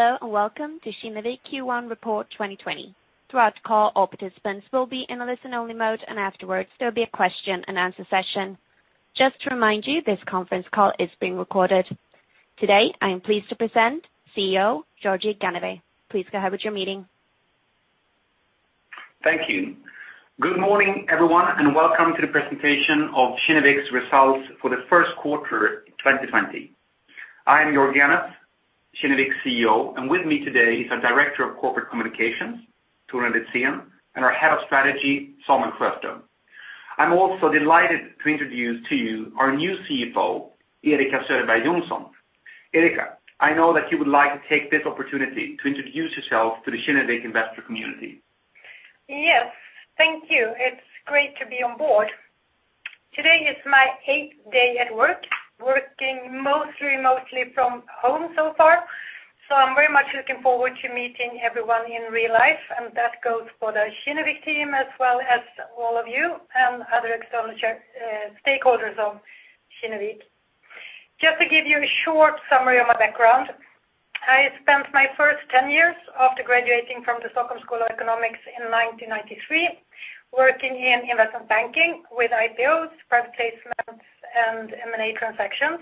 Hello, welcome to Kinnevik Q1 Report 2020. Throughout the call, all participants will be in a listen-only mode, and afterwards there'll be a question and answer session. Just to remind you, this conference call is being recorded. Today, I am pleased to present CEO, Georgi Ganev. Please go ahead with your meeting. Thank you. Good morning, everyone, welcome to the presentation of Kinnevik's results for the first quarter, 2020. I am Georgi Ganev, Kinnevik's CEO, and with me today is our Director of Corporate Communications, Torun Litzén, and our Head of Strategy, Samuel Sjöström. I'm also delighted to introduce to you our new CFO, Erika Söderberg Johnson. Erika, I know that you would like to take this opportunity to introduce yourself to the Kinnevik investor community. Yes. Thank you. It's great to be on board. Today is my eighth day at work, working mostly remotely from home so far. I'm very much looking forward to meeting everyone in real life, and that goes for the Kinnevik team as well as all of you and other external stakeholders of Kinnevik. Just to give you a short summary of my background. I spent my first 10 years after graduating from the Stockholm School of Economics in 1993, working in investment banking with IPOs, private placements, and M&A transactions.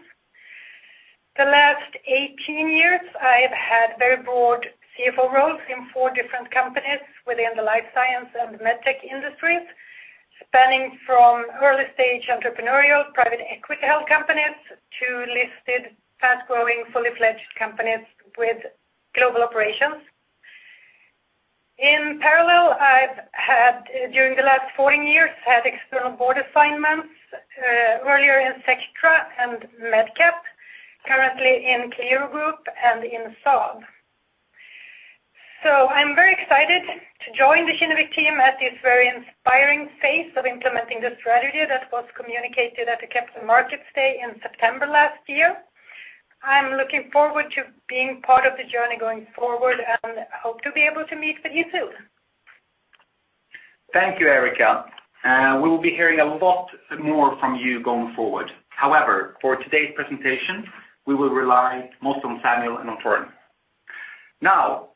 The last 18 years, I've had very broad CFO roles in four different companies within the life science and med tech industries, spanning from early-stage entrepreneurial private equity-held companies to listed, fast-growing, fully-fledged companies with global operations. In parallel, I've had during the last 14 years external board assignments, earlier in Sectra and MedCap, currently in Cloetta Group and in Saab. I'm very excited to join the Kinnevik team at this very inspiring phase of implementing the strategy that was communicated at the Capital Markets Day in September last year. I'm looking forward to being part of the journey going forward and hope to be able to meet with you soon. Thank you, Erika. We will be hearing a lot more from you going forward. For today's presentation, we will rely mostly on Samuel and on Torun.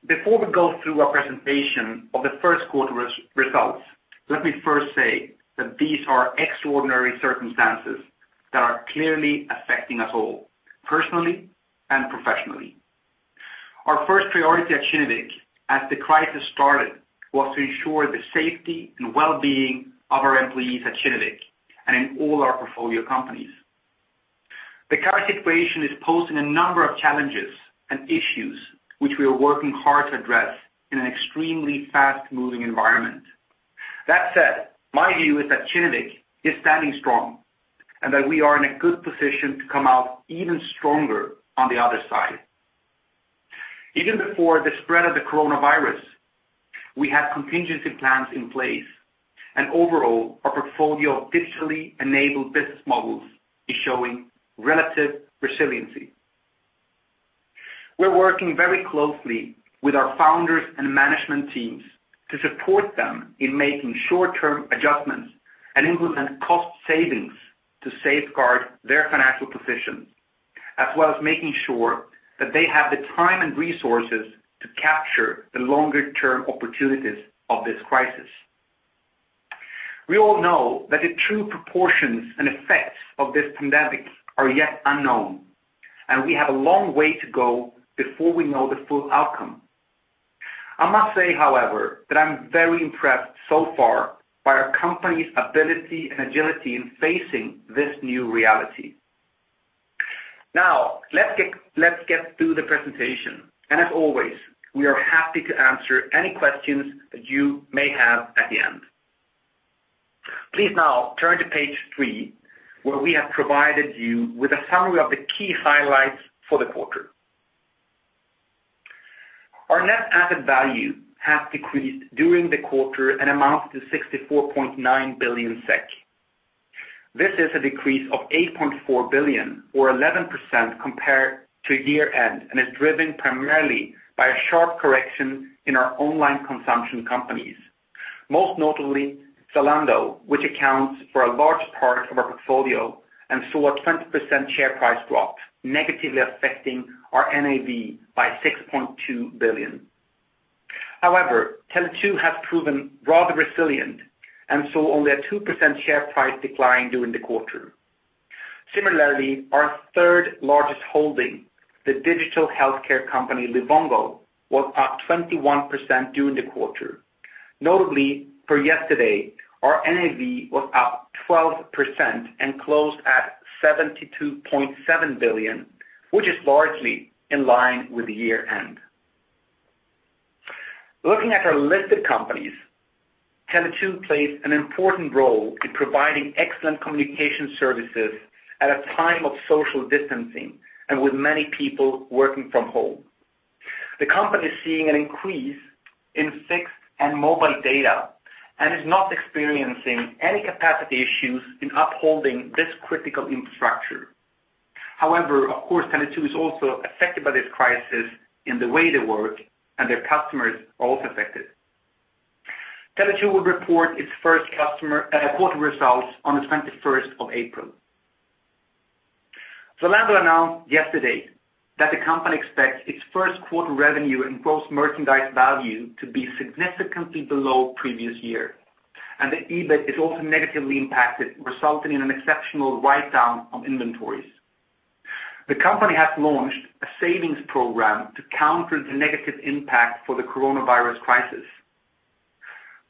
Before we go through our presentation of the first quarter results, let me first say that these are extraordinary circumstances that are clearly affecting us all, personally and professionally. Our first priority at Kinnevik as the crisis started was to ensure the safety and well-being of our employees at Kinnevik and in all our portfolio companies. The current situation is posing a number of challenges and issues which we are working hard to address in an extremely fast-moving environment. My view is that Kinnevik is standing strong and that we are in a good position to come out even stronger on the other side. Even before the spread of COVID-19, we had contingency plans in place. Overall, our portfolio of digitally enabled business models is showing relative resiliency. We're working very closely with our founders and management teams to support them in making short-term adjustments and implement cost savings to safeguard their financial positions, as well as making sure that they have the time and resources to capture the longer-term opportunities of this crisis. We all know that the true proportions and effects of this pandemic are yet unknown, and we have a long way to go before we know the full outcome. I must say, however, that I'm very impressed so far by our company's ability and agility in facing this new reality. Now, let's get through the presentation. As always, we are happy to answer any questions that you may have at the end. Please now turn to page three, where we have provided you with a summary of the key highlights for the quarter. Our net asset value has decreased during the quarter and amounts to 64.9 billion SEK. This is a decrease of 8.4 billion or 11% compared to year-end, and is driven primarily by a sharp correction in our online consumption companies. Most notably, Zalando, which accounts for a large part of our portfolio and saw a 20% share price drop, negatively affecting our NAV by 6.2 billion. Tele2 has proven rather resilient and saw only a 2% share price decline during the quarter. Similarly, our third-largest holding, the digital healthcare company Livongo, was up 21% during the quarter. Notably, per yesterday, our NAV was up 12% and closed at 72.7 billion, which is largely in line with the year-end. Looking at our listed companies, Tele2 plays an important role in providing excellent communication services at a time of social distancing and with many people working from home. The company is seeing an increase in fixed and mobile data and is not experiencing any capacity issues in upholding this critical infrastructure. Of course, Tele2 is also affected by this crisis in the way they work, and their customers are also affected. Tele2 will report its first quarter results on the 21st of April. Zalando announced yesterday that the company expects its first quarter revenue and gross merchandise value to be significantly below previous year, and the EBIT is also negatively impacted, resulting in an exceptional write-down of inventories. The company has launched a savings program to counter the negative impact for the coronavirus crisis.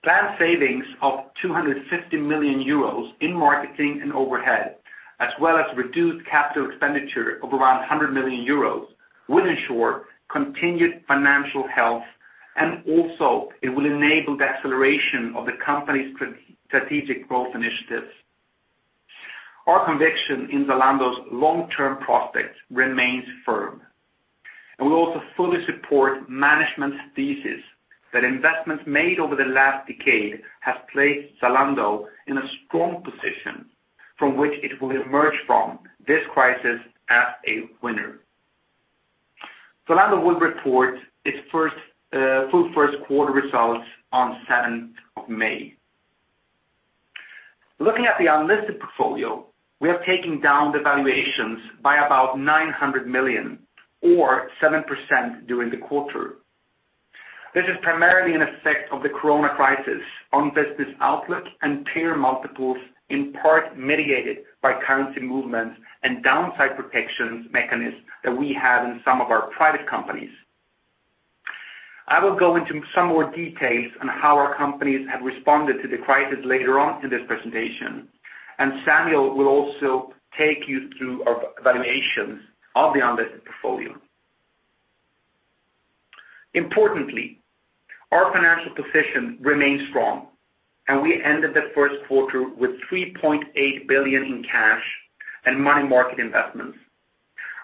Planned savings of 250 million euros in marketing and overhead, as well as reduced capital expenditure of around 100 million euros, will ensure continued financial health, and also it will enable the acceleration of the company's strategic growth initiatives. Our conviction in Zalando's long-term prospects remains firm, and we also fully support management's thesis that investments made over the last decade have placed Zalando in a strong position from which it will emerge from this crisis as a winner. Zalando will report its full first quarter results on 7th of May. Looking at the unlisted portfolio, we have taken down the valuations by about $900 million or 7% during the quarter. This is primarily an effect of the corona crisis on business outlook and peer multiples, in part mitigated by currency movements and downside protection mechanisms that we have in some of our private companies. I will go into some more details on how our companies have responded to the crisis later on in this presentation, Samuel will also take you through our valuations of the unlisted portfolio. Importantly, our financial position remains strong, we ended the first quarter with $3.8 billion in cash and money market investments.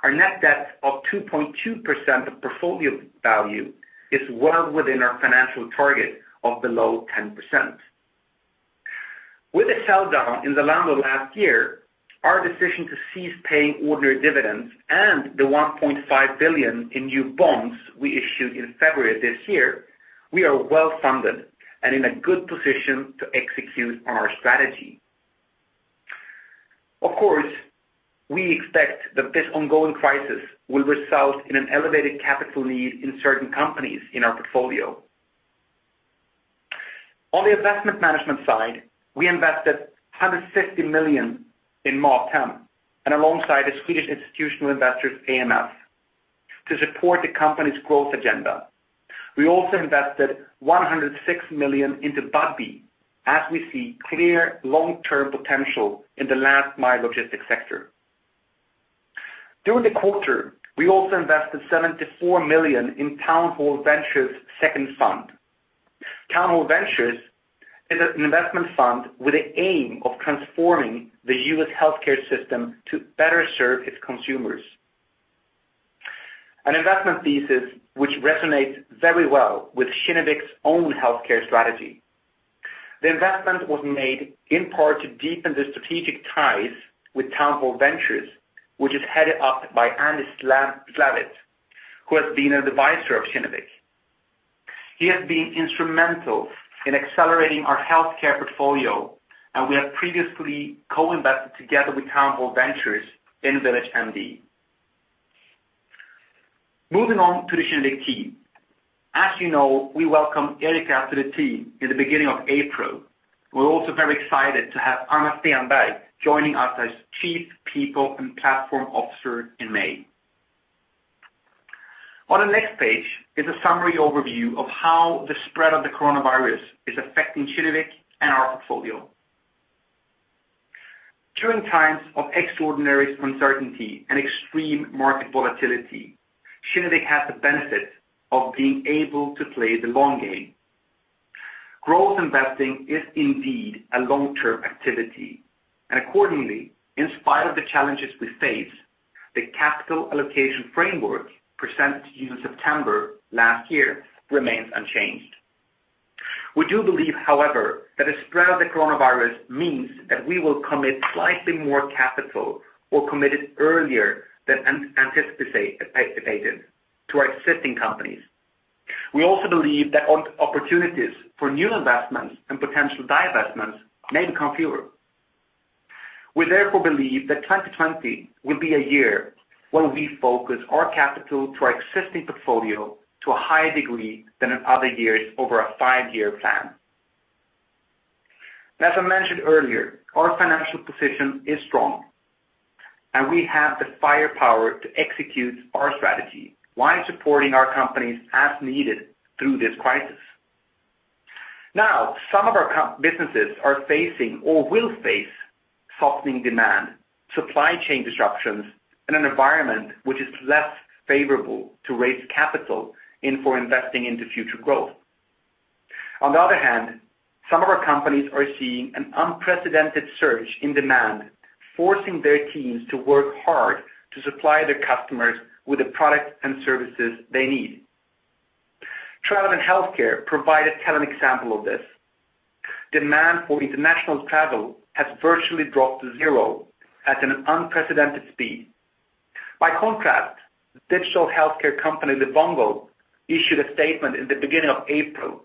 Our net debt of 2.2% of portfolio value is well within our financial target of below 10%. With the sell-down in Zalando last year, our decision to cease paying ordinary dividends and the $1.5 billion in new bonds we issued in February this year, we are well-funded and in a good position to execute our strategy. Of course, we expect that this ongoing crisis will result in an elevated capital need in certain companies in our portfolio. On the investment management side, we invested 150 million in Mathem and alongside the Swedish institutional investors AMF to support the company's growth agenda. We also invested 106 million into Budbee as we see clear long-term potential in the last mile logistics sector. During the quarter, we also invested 74 million in Town Hall Ventures' second fund. Town Hall Ventures is an investment fund with the aim of transforming the U.S. healthcare system to better serve its consumers. An investment thesis which resonates very well with Kinnevik's own healthcare strategy. The investment was made in part to deepen the strategic ties with Town Hall Ventures, which is headed up by Andy Slavitt, who has been an advisor of Kinnevik. He has been instrumental in accelerating our healthcare portfolio, and we have previously co-invested together with Town Hall Ventures in VillageMD. Moving on to the Kinnevik team. As you know, we welcomed Erika to the team in the beginning of April. We're also very excited to have Anna Stenberg joining us as Chief People and Platform Officer in May. On the next page is a summary overview of how the spread of the coronavirus is affecting Kinnevik and our portfolio. During times of extraordinary uncertainty and extreme market volatility, Kinnevik has the benefit of being able to play the long game. Growth investing is indeed a long-term activity, and accordingly, in spite of the challenges we face, the capital allocation framework presented to you in September last year remains unchanged. We do believe, however, that the spread of the coronavirus means that we will commit slightly more capital or commit it earlier than anticipated to our existing companies. We also believe that opportunities for new investments and potential divestments may become fewer. We therefore believe that 2020 will be a year where we focus our capital to our existing portfolio to a higher degree than in other years over a five-year plan. As I mentioned earlier, our financial position is strong, and we have the firepower to execute our strategy while supporting our companies as needed through this crisis. Now, some of our businesses are facing or will face softening demand, supply chain disruptions in an environment which is less favorable to raise capital in for investing into future growth. On the other hand, some of our companies are seeing an unprecedented surge in demand, forcing their teams to work hard to supply their customers with the products and services they need. Travel and healthcare provide a telling example of this. Demand for international travel has virtually dropped to zero at an unprecedented speed. By contrast, digital healthcare company Livongo issued a statement in the beginning of April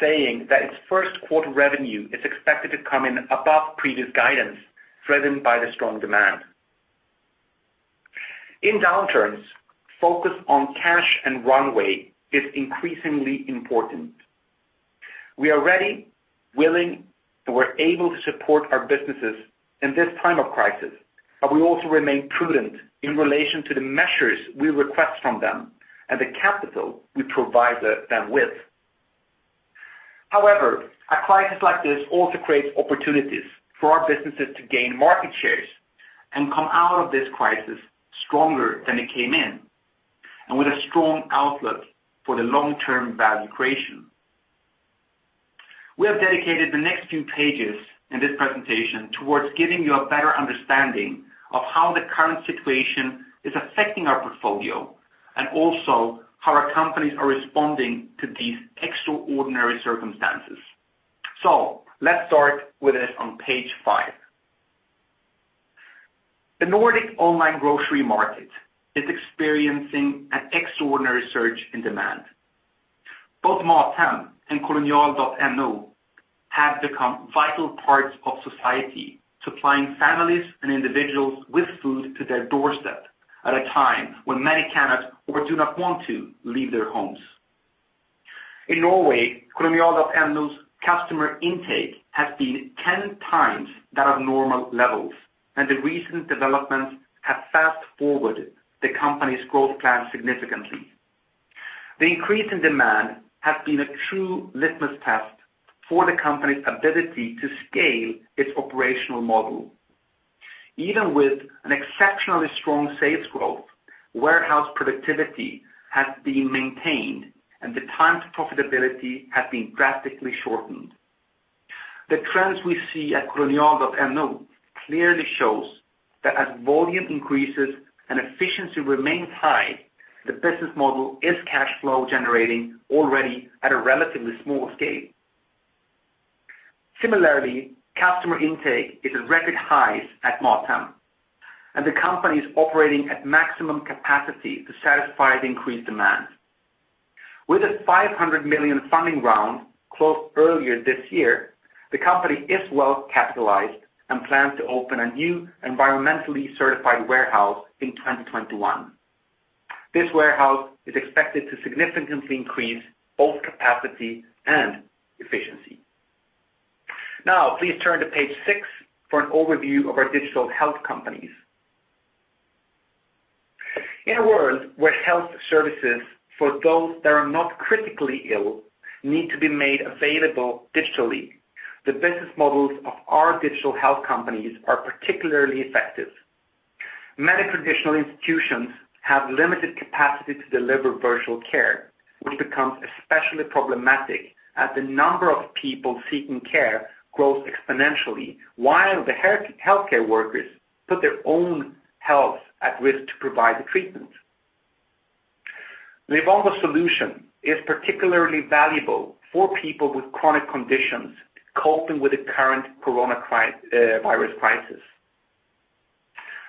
saying that its first quarter revenue is expected to come in above previous guidance, driven by the strong demand. In downturns, focus on cash and runway is increasingly important. We are ready, willing, and we're able to support our businesses in this time of crisis, but we also remain prudent in relation to the measures we request from them and the capital we provide them with. However, a crisis like this also creates opportunities for our businesses to gain market shares and come out of this crisis stronger than it came in, and with a strong outlook for the long-term value creation. We have dedicated the next few pages in this presentation towards giving you a better understanding of how the current situation is affecting our portfolio, and also how our companies are responding to these extraordinary circumstances. Let's start with this on page five. The Nordic online grocery market is experiencing an extraordinary surge in demand. Both Mathem and Kolonial.no have become vital parts of society, supplying families and individuals with food to their doorstep at a time when many cannot or do not want to leave their homes. In Norway, Kolonial.no's customer intake has been 10x that of normal levels, and the recent developments have fast-forwarded the company's growth plan significantly. The increase in demand has been a true litmus test for the company's ability to scale its operational model. Even with an exceptionally strong sales growth, warehouse productivity has been maintained, and the time to profitability has been drastically shortened. The trends we see at Kolonial.no clearly shows that as volume increases and efficiency remains high, the business model is cash flow generating already at a relatively small scale. Similarly, customer intake is at record highs at Mathem, and the company is operating at maximum capacity to satisfy the increased demand. With a 500 million funding round closed earlier this year, the company is well capitalized and plans to open a new environmentally certified warehouse in 2021. This warehouse is expected to significantly increase both capacity and efficiency. Now please turn to page six for an overview of our digital health companies. In a world where health services for those that are not critically ill need to be made available digitally, the business models of our digital health companies are particularly effective. Many traditional institutions have limited capacity to deliver virtual care, which becomes especially problematic as the number of people seeking care grows exponentially while the healthcare workers put their own health at risk to provide the treatment. Livongo's solution is particularly valuable for people with chronic conditions coping with the current coronavirus crisis.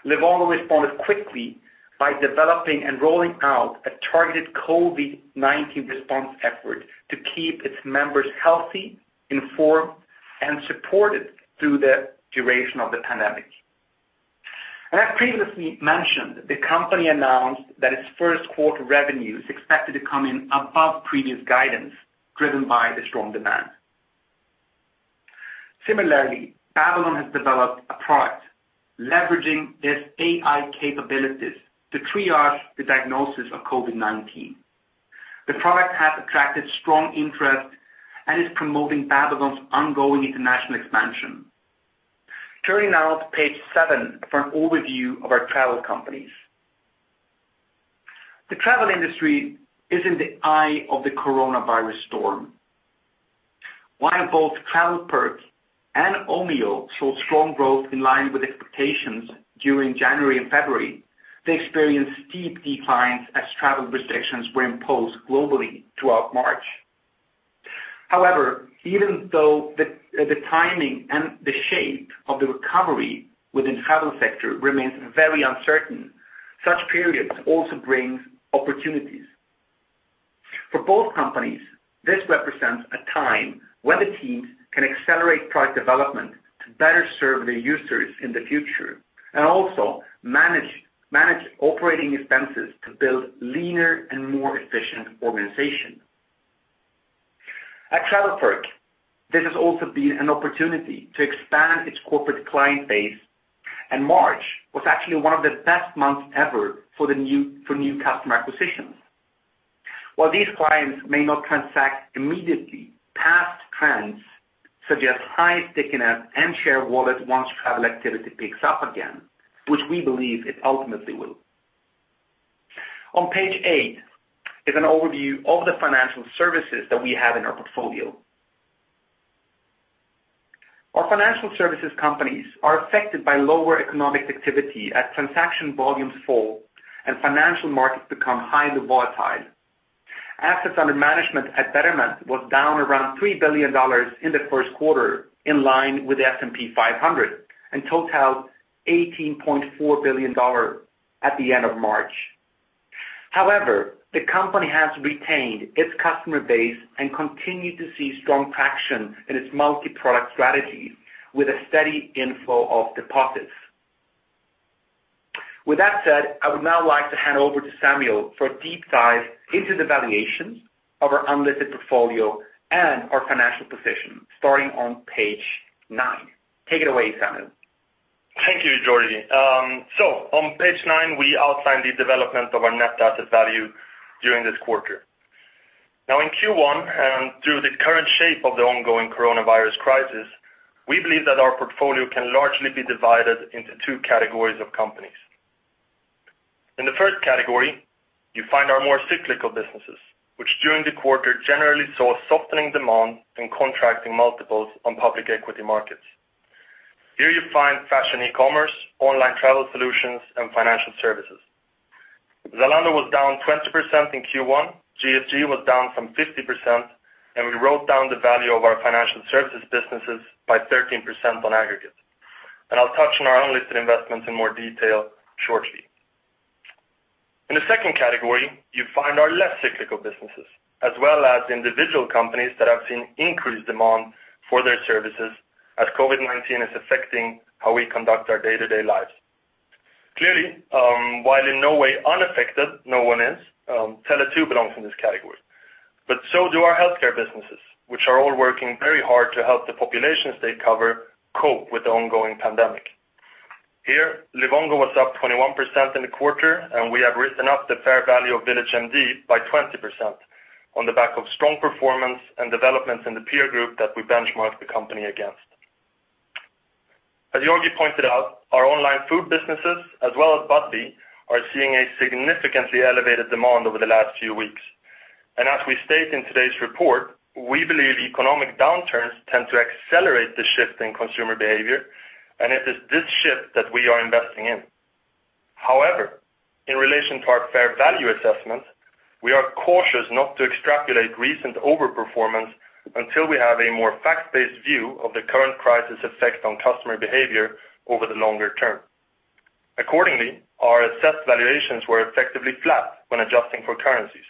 Livongo responded quickly by developing and rolling out a targeted COVID-19 response effort to keep its members healthy, informed, and supported through the duration of the pandemic. As previously mentioned, the company announced that its first quarter revenue is expected to come in above previous guidance, driven by the strong demand. Similarly, Babylon has developed a product leveraging its AI capabilities to triage the diagnosis of COVID-19. The product has attracted strong interest and is promoting Babylon's ongoing international expansion. Turning now to page seven for an overview of our travel companies. The travel industry is in the eye of the coronavirus storm. While both TravelPerk and Omio saw strong growth in line with expectations during January and February, they experienced steep declines as travel restrictions were imposed globally throughout March. Even though the timing and the shape of the recovery within travel sector remains very uncertain, such periods also brings opportunities. For both companies, this represents a time where the teams can accelerate product development to better serve their users in the future, and also manage operating expenses to build leaner and more efficient organization. At TravelPerk, this has also been an opportunity to expand its corporate client base, and March was actually one of the best months ever for new customer acquisitions. While these clients may not transact immediately, past trends suggest high stickiness and share of wallet once travel activity picks up again, which we believe it ultimately will. On page eight is an overview of the financial services that we have in our portfolio. Our financial services companies are affected by lower economic activity as transaction volumes fall and financial markets become highly volatile. Assets under management at Betterment was down around SEK 3 billion in the first quarter, in line with the S&P 500, and totaled SEK 18.4 billion at the end of March. However, the company has retained its customer base and continued to see strong traction in its multi-product strategies with a steady inflow of deposits. With that said, I would now like to hand over to Samuel for a deep dive into the valuations of our unlisted portfolio and our financial position, starting on page nine. Take it away, Samuel. Thank you, Georgi. On page nine, we outline the development of our net asset value during this quarter. In Q1 and through the current shape of the ongoing COVID-19 crisis, we believe that our portfolio can largely be divided into two categories of companies. In the first category, you find our more cyclical businesses, which during the quarter generally saw softening demand and contracting multiples on public equity markets. Here you find fashion e-commerce, online travel solutions, and financial services. Zalando was down 20% in Q1, GSG was down some 50%, and we wrote down the value of our financial services businesses by 13% on aggregate. I'll touch on our unlisted investments in more detail shortly. In the second category, you find our less cyclical businesses, as well as individual companies that have seen increased demand for their services as COVID-19 is affecting how we conduct our day-to-day lives. Clearly, while in no way unaffected, no one is, Tele2 belongs in this category, but so do our healthcare businesses, which are all working very hard to help the populations they cover cope with the ongoing pandemic. Here, Livongo was up 21% in the quarter, and we have written up the fair value of VillageMD by 20% on the back of strong performance and developments in the peer group that we benchmarked the company against. As Georgi pointed out, our online food businesses, as well as Budbee, are seeing a significantly elevated demand over the last few weeks. As we state in today's report, we believe economic downturns tend to accelerate the shift in consumer behavior, and it is this shift that we are investing in. However, in relation to our fair value assessment, we are cautious not to extrapolate recent over-performance until we have a more fact-based view of the current crisis effect on customer behavior over the longer term. Accordingly, our assessed valuations were effectively flat when adjusting for currencies,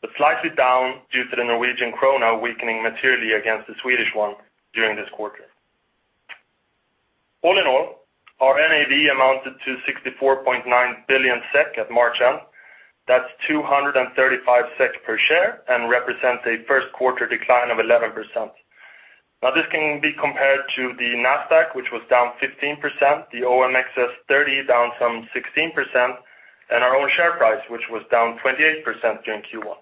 but slightly down due to the Norwegian krone weakening materially against the Swedish one during this quarter. All in all, our NAV amounted to 64.9 billion SEK at March end. That's 235 SEK per share and represents a first quarter decline of 11%. This can be compared to the Nasdaq, which was down 15%, the OMXS30 down some 16%, and our own share price, which was down 28% during Q1.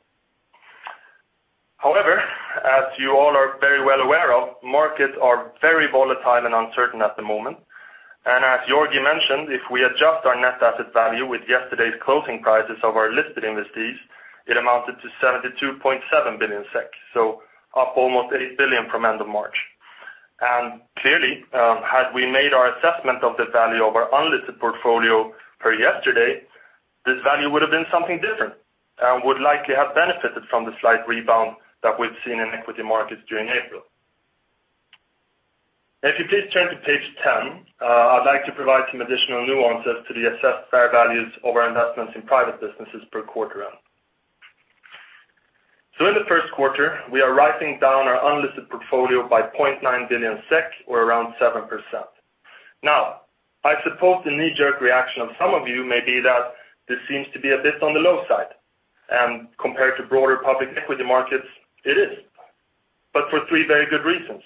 However, as you all are very well aware of, markets are very volatile and uncertain at the moment. As Georgi mentioned, if we adjust our net asset value with yesterday's closing prices of our listed investees, it amounted to 72.7 billion SEK, so up almost 8 billion SEK from end of March. Clearly, had we made our assessment of the value of our unlisted portfolio per yesterday, this value would have been something different and would likely have benefited from the slight rebound that we've seen in equity markets during April. If you please turn to page 10, I'd like to provide some additional nuances to the assessed fair values of our investments in private businesses per quarter end. In the first quarter, we are writing down our unlisted portfolio by 0.9 billion SEK or around 7%. I suppose the knee-jerk reaction of some of you may be that this seems to be a bit on the low side, and compared to broader public equity markets, it is, but for three very good reasons.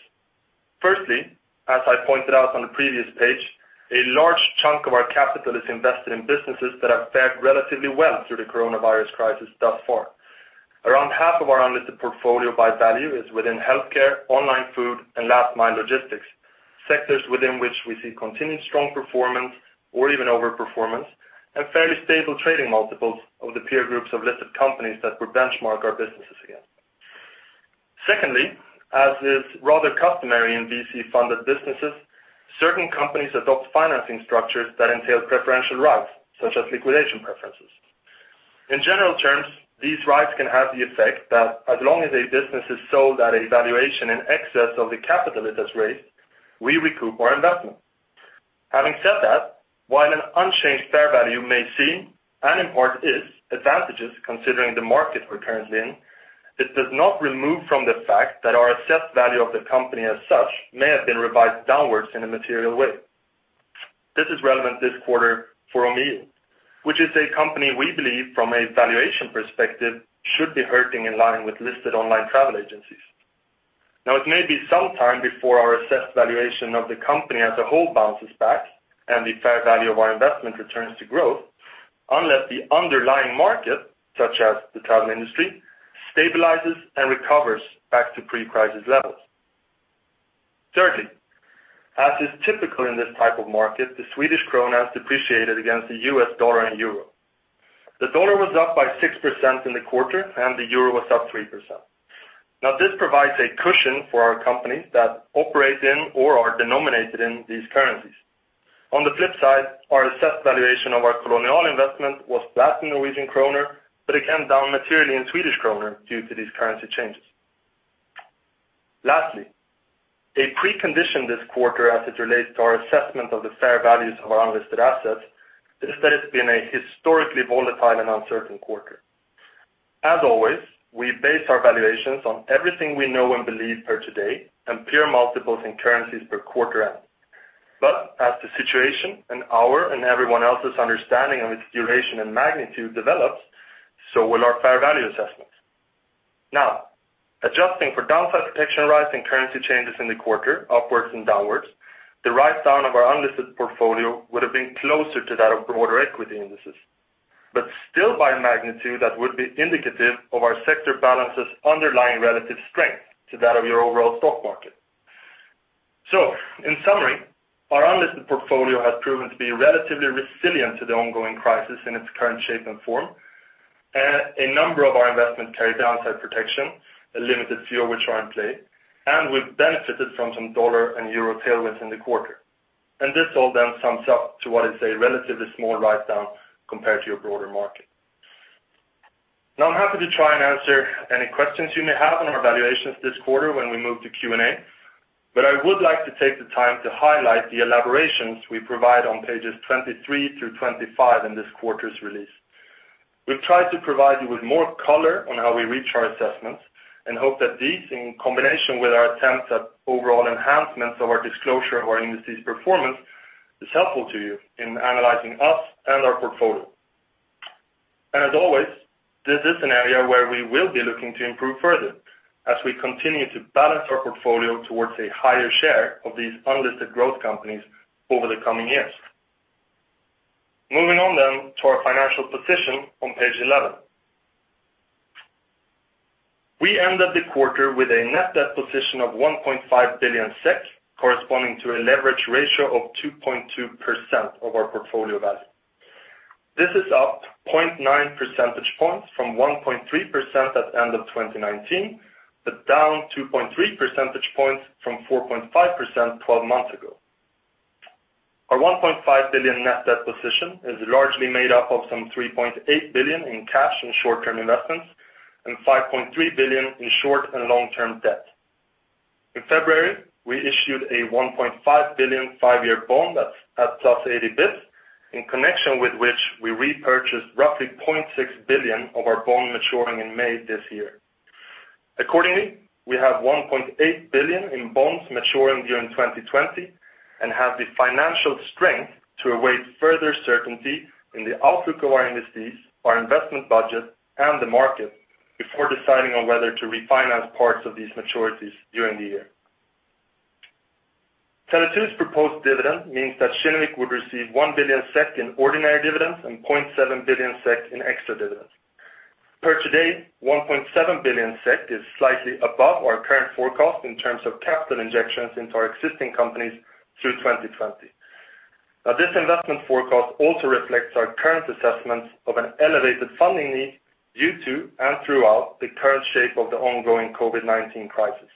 As I pointed out on the previous page, a large chunk of our capital is invested in businesses that have fared relatively well through the coronavirus crisis thus far. Around half of our unlisted portfolio by value is within healthcare, online food, and last-mile logistics, sectors within which we see continued strong performance or even over-performance and fairly stable trading multiples of the peer groups of listed companies that we benchmark our businesses against. As is rather customary in VC-funded businesses, certain companies adopt financing structures that entail preferential rights, such as liquidation preferences. In general terms, these rights can have the effect that as long as a business is sold at a valuation in excess of the capital it has raised, we recoup our investment. Having said that, while an unchanged fair value may seem, and in part is advantageous considering the market we're currently in, it does not remove from the fact that our assessed value of the company as such may have been revised downwards in a material way. This is relevant this quarter for Omio, which is a company we believe from a valuation perspective should be hurting in line with listed online travel agencies. Now it may be some time before our assessed valuation of the company as a whole bounces back and the fair value of our investment returns to growth unless the underlying market, such as the travel industry, stabilizes and recovers back to pre-crisis levels. Thirdly, as is typical in this type of market, the Swedish krona has depreciated against the US dollar and euro. The dollar was up by 6% in the quarter, and the euro was up 3%. This provides a cushion for our company that operates in or are denominated in these currencies. On the flip side, our assessed valuation of our Kolonial investment was flat in Norwegian kroner, but again, down materially in Swedish kroner due to these currency changes. Lastly, a precondition this quarter as it relates to our assessment of the fair values of our unlisted assets is that it's been a historically volatile and uncertain quarter. As always, we base our valuations on everything we know and believe per today and peer multiples in currencies per quarter end. As the situation and our and everyone else's understanding of its duration and magnitude develops, so will our fair value assessments. Now, adjusting for downside protection rights and currency changes in the quarter upwards and downwards, the write-down of our unlisted portfolio would have been closer to that of broader equity indices, but still by a magnitude that would be indicative of our sector balance's underlying relative strength to that of your overall stock market. In summary, our unlisted portfolio has proven to be relatively resilient to the ongoing crisis in its current shape and form. A number of our investments carry downside protection, a limited few of which are in play, and we've benefited from some dollar and euro tailwinds in the quarter. This all then sums up to what is a relatively small write-down compared to your broader market. I'm happy to try and answer any questions you may have on our valuations this quarter when we move to Q&A, but I would like to take the time to highlight the elaborations we provide on pages 23 through 25 in this quarter's release. We've tried to provide you with more color on how we reach our assessments and hope that these, in combination with our attempts at overall enhancements of our disclosure of our industry's performance, is helpful to you in analyzing us and our portfolio. This is an area where we will be looking to improve further as we continue to balance our portfolio towards a higher share of these unlisted growth companies over the coming years. Moving on to our financial position on page 11. We ended the quarter with a net debt position of 1.5 billion SEK, corresponding to a leverage ratio of 2.2% of our portfolio value. This is up 0.9 percentage points from 1.3% at end of 2019, down 2.3 percentage points from 4.5% 12 months ago. Our 1.5 billion net debt position is largely made up of some 3.8 billion in cash and short-term investments and 5.3 billion in short- and long-term debt. In February, we issued a 1.5 billion five-year bond that's at +80 bps, in connection with which we repurchased roughly 0.6 billion of our bond maturing in May this year. Accordingly, we have 1.8 billion in bonds maturing during 2020 and have the financial strength to await further certainty in the outlook of our industries, our investment budget, and the market before deciding on whether to refinance parts of these maturities during the year. Tele2's proposed dividend means that Kinnevik would receive 1 billion SEK in ordinary dividends and 0.7 billion SEK in extra dividends. Per today, 1.7 billion SEK is slightly above our current forecast in terms of capital injections into our existing companies through 2020. This investment forecast also reflects our current assessments of an elevated funding need due to and throughout the current shape of the ongoing COVID-19 crisis.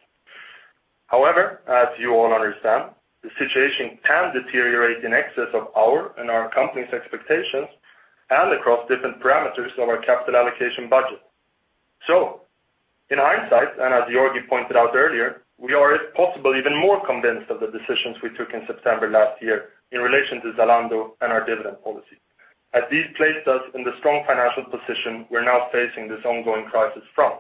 As you all understand, the situation can deteriorate in excess of our and our company's expectations and across different parameters of our capital allocation budget. In hindsight, and as Georgi pointed out earlier, we are if possible even more convinced of the decisions we took in September last year in relation to Zalando and our dividend policy, as these placed us in the strong financial position we're now facing this ongoing crisis from.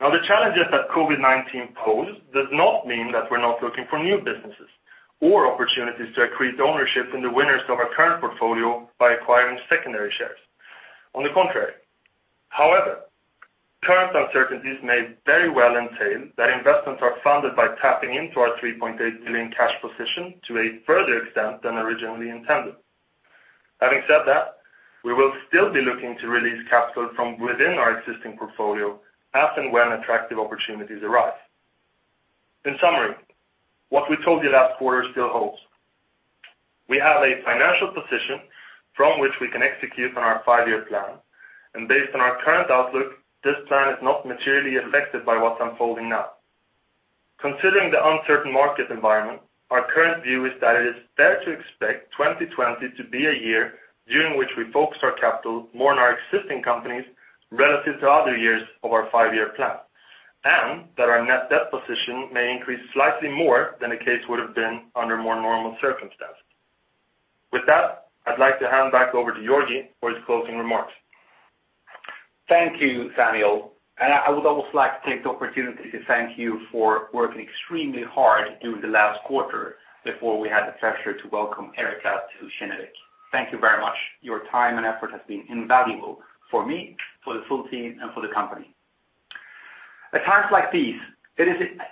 The challenges that COVID-19 pose does not mean that we're not looking for new businesses or opportunities to accrete ownership in the winners of our current portfolio by acquiring secondary shares. On the contrary. Current uncertainties may very well entail that investments are funded by tapping into our 3.8 billion cash position to a further extent than originally intended. We will still be looking to release capital from within our existing portfolio as and when attractive opportunities arise. What we told you last quarter still holds. We have a financial position from which we can execute on our five-year plan. Based on our current outlook, this plan is not materially affected by what's unfolding now. Considering the uncertain market environment, our current view is that it is fair to expect 2020 to be a year during which we focus our capital more on our existing companies relative to other years of our five-year plan, and that our net debt position may increase slightly more than the case would have been under more normal circumstances. With that, I'd like to hand back over to Georgi for his closing remarks. Thank you, Samuel. I would also like to take the opportunity to thank you for working extremely hard during the last quarter before we had the pleasure to welcome Erika to Kinnevik. Thank you very much. Your time and effort has been invaluable for me, for the full team, and for the company. At times like these, it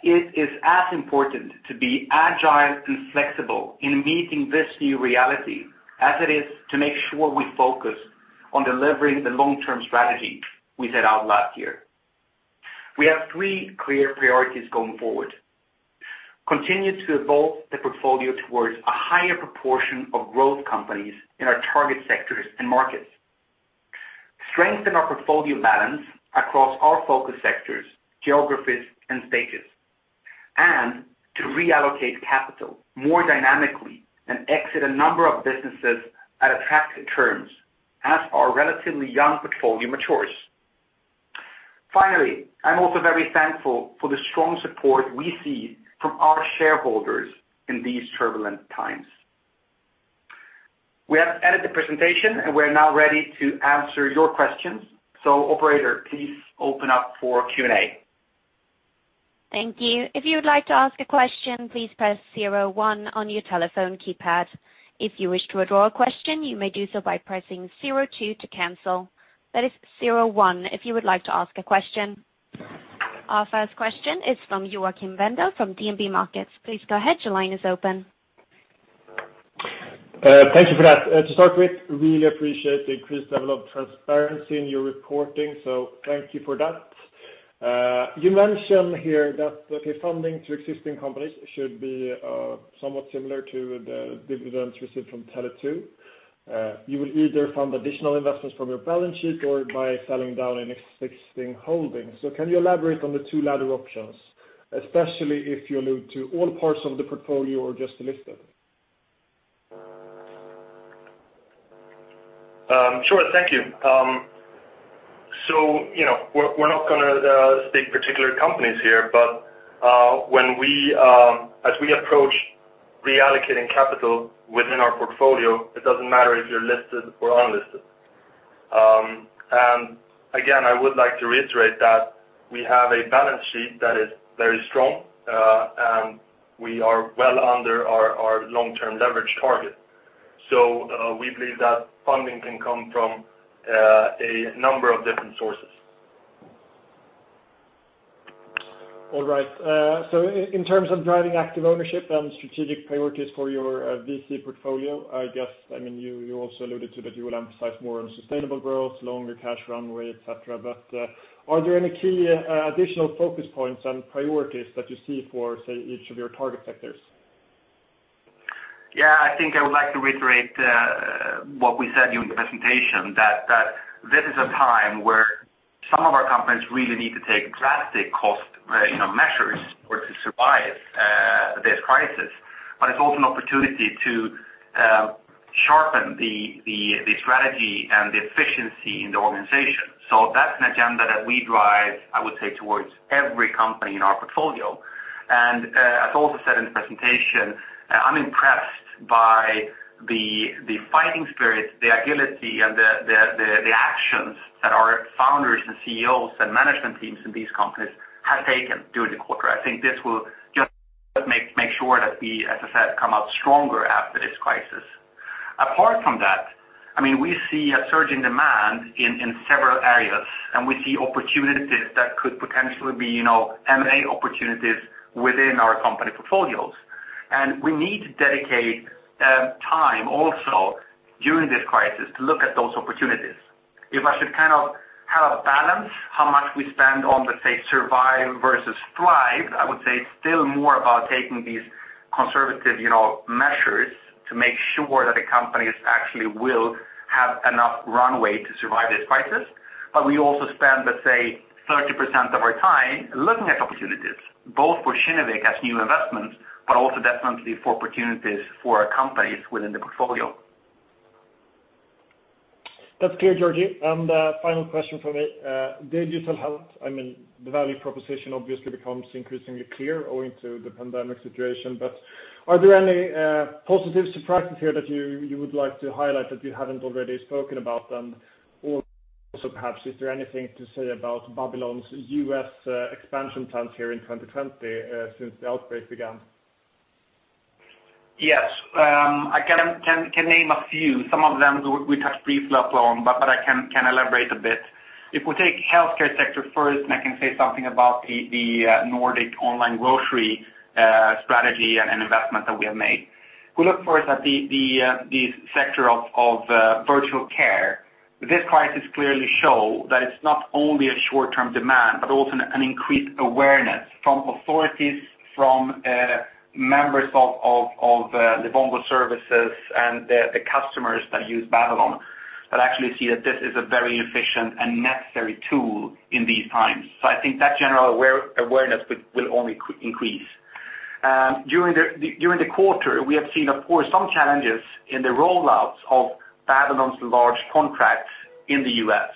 is as important to be agile and flexible in meeting this new reality as it is to make sure we focus on delivering the long-term strategy we set out last year. We have three clear priorities going forward. Continue to evolve the portfolio towards a higher proportion of growth companies in our target sectors and markets. Strengthen our portfolio balance across our focus sectors, geographies, and stages. To reallocate capital more dynamically and exit a number of businesses at attractive terms as our relatively young portfolio matures. Finally, I'm also very thankful for the strong support we see from our shareholders in these turbulent times. We have ended the presentation, we're now ready to answer your questions. Operator, please open up for Q&A. Thank you. If you would like to ask a question, please press 01 on your telephone keypad. If you wish to withdraw a question, you may do so by pressing 02 to cancel. That is 01 if you would like to ask a question. Our first question is from Joakim Gunell from DNB Markets. Please go ahead. Your line is open. Thank you for that. To start with, really appreciate the increased level of transparency in your reporting. Thank you for that. You mentioned here that the funding to existing companies should be somewhat similar to the dividends received from Tele2. You will either fund additional investments from your balance sheet or by selling down an existing holding. Can you elaborate on the two latter options, especially if you allude to all parts of the portfolio or just listed? Thank you. We're not going to state particular companies here, but as we approach reallocating capital within our portfolio, it doesn't matter if you're listed or unlisted. Again, I would like to reiterate that we have a balance sheet that is very strong, and we are well under our long-term leverage target. We believe that funding can come from a number of different sources. All right. In terms of driving active ownership and strategic priorities for your VC portfolio, I guess you also alluded to that you will emphasize more on sustainable growth, longer cash runway, et cetera, but are there any key additional focus points and priorities that you see for, say, each of your target sectors? I think I would like to reiterate what we said during the presentation, that this is a time where some of our companies really need to take drastic cost measures for it to survive this crisis. It's also an opportunity to sharpen the strategy and the efficiency in the organization. That's an agenda that we drive, I would say, towards every company in our portfolio. As also said in the presentation, I'm impressed by the fighting spirit, the agility and the actions that our founders and CEOs and management teams in these companies have taken during the quarter. I think this will just make sure that we, as I said, come out stronger after this crisis. Apart from that, we see a surge in demand in several areas, and we see opportunities that could potentially be M&A opportunities within our company portfolios. We need to dedicate time also during this crisis to look at those opportunities. If I should kind of have a balance, how much we spend on, let's say, survive versus thrive, I would say it's still more about taking these conservative measures to make sure that the companies actually will have enough runway to survive this crisis. We also spend, let's say, 30% of our time looking at opportunities, both for Kinnevik as new investments, but also definitely for opportunities for our companies within the portfolio. That's clear, Georgi. Final question from me. Digital health, the value proposition obviously becomes increasingly clear owing to the pandemic situation. Are there any positive surprises here that you would like to highlight that you haven't already spoken about? Also perhaps, is there anything to say about Babylon's U.S. expansion plans here in 2020 since the outbreak began? Yes. I can name a few. Some of them we touched briefly upon, but I can elaborate a bit. If we take healthcare sector first, and I can say something about the Nordic online grocery strategy and investment that we have made. If we look first at the sector of virtual care, this crisis clearly show that it's not only a short-term demand, but also an increased awareness from authorities, from members of Livongo services and the customers that use Babylon, that actually see that this is a very efficient and necessary tool in these times. I think that general awareness will only increase. During the quarter, we have seen, of course, some challenges in the roll-outs of Babylon's large contracts in the U.S.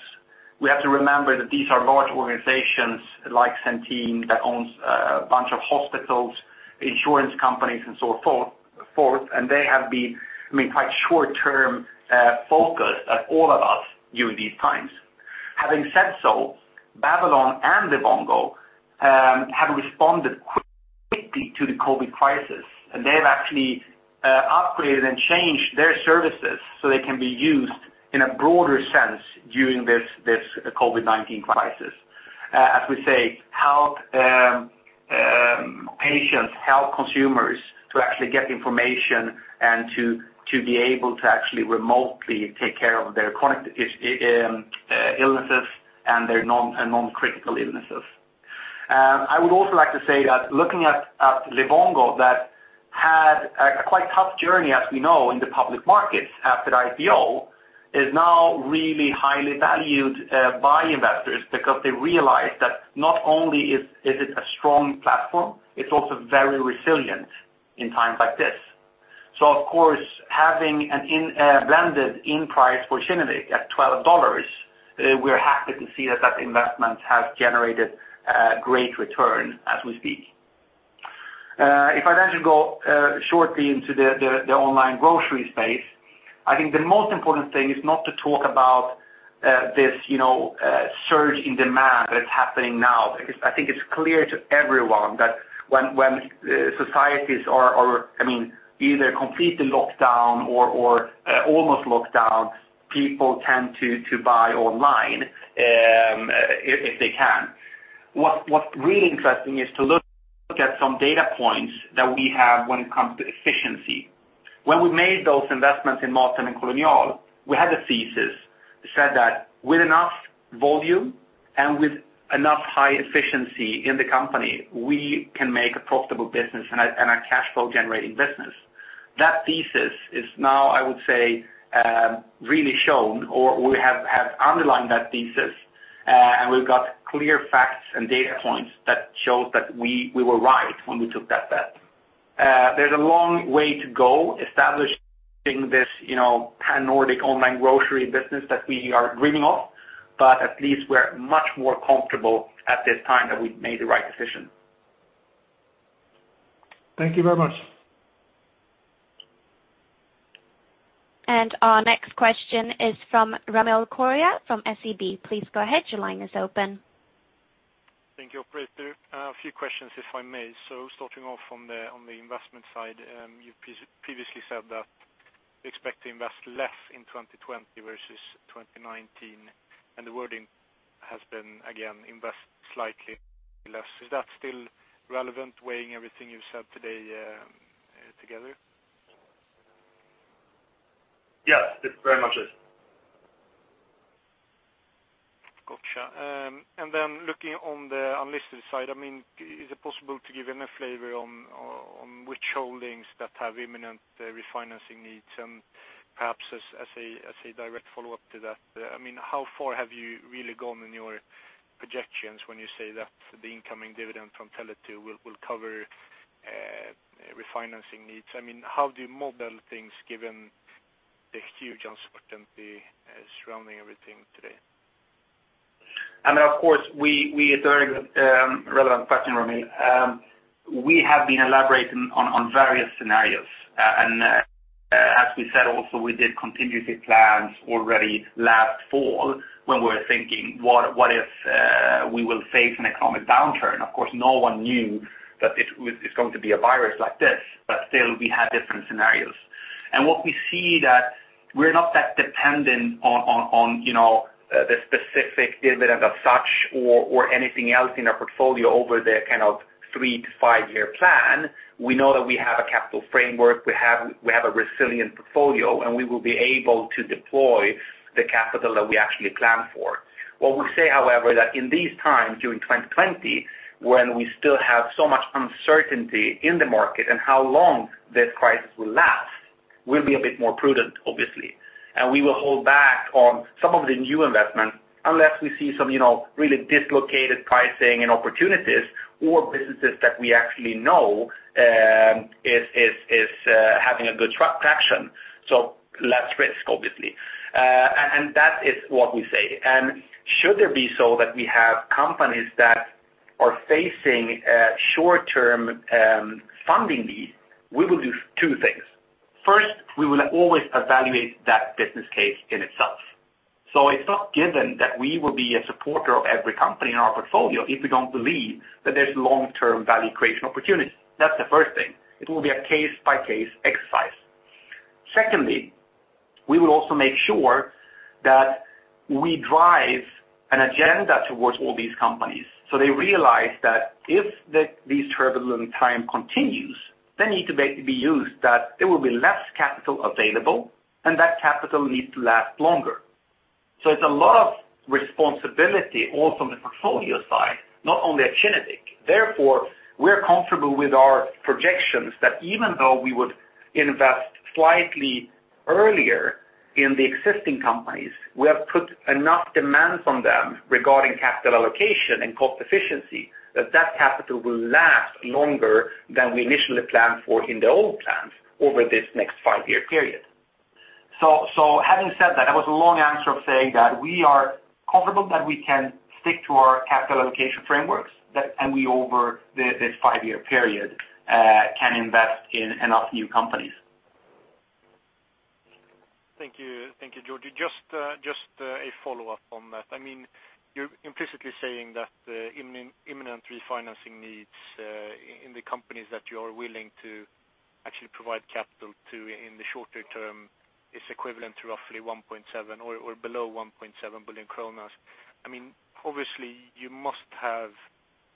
We have to remember that these are large organizations like Centene that owns a bunch of hospitals, insurance companies, and so forth, and they have been quite short term focused, like all of us during these times. Having said so, Babylon and Livongo have responded quickly to the COVID crisis, and they have actually upgraded and changed their services so they can be used in a broader sense during this COVID-19 crisis. As we say, help patients, help consumers to actually get information and to be able to actually remotely take care of their chronic illnesses. Their non-critical illnesses. I would also like to say that looking at Livongo that had a quite tough journey, as we know, in the public markets after the IPO, is now really highly valued by investors because they realize that not only is it a strong platform, it's also very resilient in times like this. Of course, having a blended entry price for Kinnevik at SEK 12, we're happy to see that investment has generated a great return as we speak. If I should go shortly into the online grocery space, I think the most important thing is not to talk about this surge in demand that is happening now. I think it's clear to everyone that when societies are either completely locked down or almost locked down, people tend to buy online, if they can. What's really interesting is to look at some data points that we have when it comes to efficiency. When we made those investments in Mathem and Kolonial, we had a thesis that said that with enough volume and with enough high efficiency in the company, we can make a profitable business and a cash flow generating business. That thesis is now, I would say, really shown, or we have underlined that thesis, and we've got clear facts and data points that shows that we were right when we took that bet. There's a long way to go establishing this Pan-Nordic online grocery business that we are dreaming of, but at least we're much more comfortable at this time that we've made the right decision. Thank you very much. Our next question is from Ramil Koria from SEB. Please go ahead. Your line is open. Thank you, operator. A few questions, if I may. Starting off on the investment side, you previously said that you expect to invest less in 2020 versus 2019, and the wording has been, again, invest slightly less. Is that still relevant weighing everything you've said today together? Yes, it very much is. Got you. Looking on the unlisted side, is it possible to give any flavor on which holdings that have imminent refinancing needs? Perhaps as a direct follow-up to that, how far have you really gone in your projections when you say that the incoming dividend from Tele2 will cover refinancing needs? How do you model things given the huge uncertainty surrounding everything today? Of course, it's a very relevant question, Ramil. We have been elaborating on various scenarios. As we said also, we did contingency plans already last fall when we were thinking, what if we will face an economic downturn? Of course, no one knew that it's going to be a virus like this, but still, we had different scenarios. What we see that we're not that dependent on the specific dividend of such or anything else in our portfolio over the kind of three- to five-year plan. We know that we have a capital framework, we have a resilient portfolio, and we will be able to deploy the capital that we actually plan for. What we say, however, that in these times during 2020, when we still have so much uncertainty in the market and how long this crisis will last, we'll be a bit more prudent, obviously. We will hold back on some of the new investments unless we see some really dislocated pricing and opportunities or businesses that we actually know is having a good traction. Less risk, obviously. That is what we say. Should there be so that we have companies that are facing short-term funding needs, we will do two things. First, we will always evaluate that business case in itself. It's not given that we will be a supporter of every company in our portfolio if we don't believe that there's long-term value creation opportunity. That's the first thing. It will be a case-by-case exercise. Secondly, we will also make sure that we drive an agenda towards all these companies, so they realize that if this turbulent time continues, they need to be used, that there will be less capital available, and that capital needs to last longer. It's a lot of responsibility also on the portfolio side, not only at Kinnevik. Therefore, we're comfortable with our projections that even though we would invest slightly earlier in the existing companies, we have put enough demands on them regarding capital allocation and cost efficiency, that that capital will last longer than we initially planned for in the old plans over this next five-year period. Having said that was a long answer of saying that we are comfortable that we can stick to our capital allocation frameworks, and we, over this five-year period, can invest in enough new companies. Thank you, Georgi. Just a follow-up on that. You are implicitly saying that the imminent refinancing needs in the companies that you are willing to actually provide capital to in the shorter term is equivalent to roughly 1.7 billion or below 1.7 billion kronor. Obviously, you must have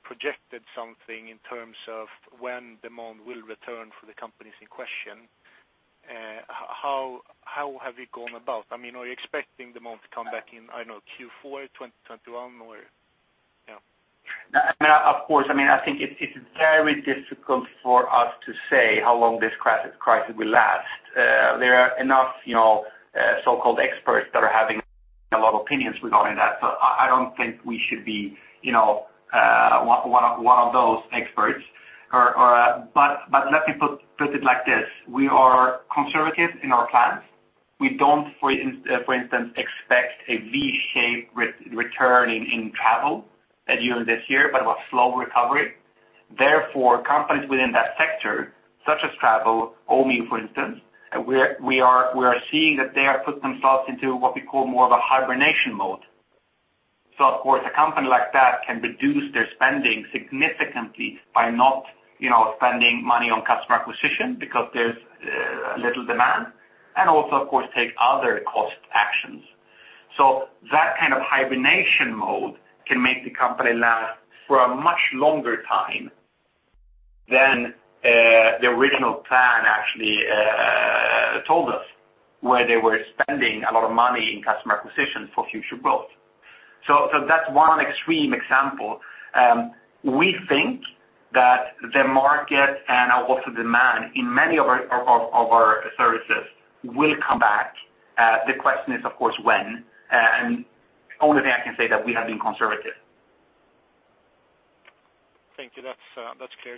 projected something in terms of when demand will return for the companies in question. How have you gone about? Are you expecting demand to come back in, I don't know, Q4 2021 or? Of course. I think it's very difficult for us to say how long this crisis will last. There are enough so-called experts that are having a lot of opinions regarding that. I don't think we should be one of those experts. Let me put it like this. We are conservative in our plans. We don't, for instance, expect a V-shaped return in travel during this year, but a slow recovery. Therefore, companies within that sector, such as travel, Omio, for instance, we are seeing that they have put themselves into what we call more of a hibernation mode. Of course, a company like that can reduce their spending significantly by not spending money on customer acquisition because there's little demand, and also, of course, take other cost actions. That kind of hibernation mode can make the company last for a much longer time than the original plan actually told us, where they were spending a lot of money in customer acquisition for future growth. That's one extreme example. We think that the market and also demand in many of our services will come back. The question is, of course, when, and only thing I can say that we have been conservative. Thank you. That's clear.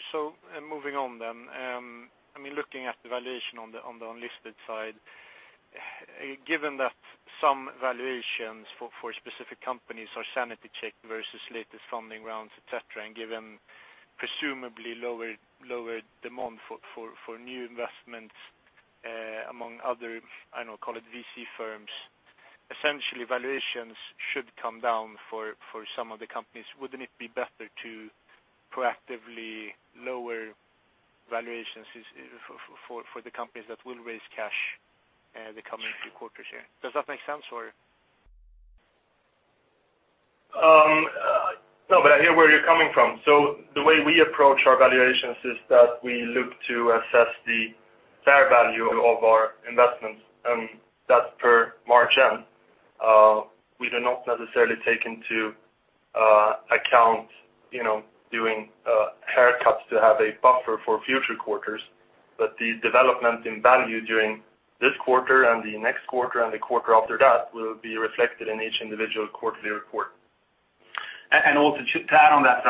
Moving on then. Looking at the valuation on the unlisted side, given that some valuations for specific companies are sanity checked versus latest funding rounds, et cetera, and given presumably lower demand for new investments among other, call it VC firms, essentially valuations should come down for some of the companies. Wouldn't it be better to proactively lower valuations for the companies that will raise cash the coming few quarters here? Does that make sense or? I hear where you're coming from. The way we approach our valuations is that we look to assess the fair value of our investments, and that's per March end. We do not necessarily take into account doing haircuts to have a buffer for future quarters, but the development in value during this quarter and the next quarter and the quarter after that will be reflected in each individual quarterly report. Also to add on that,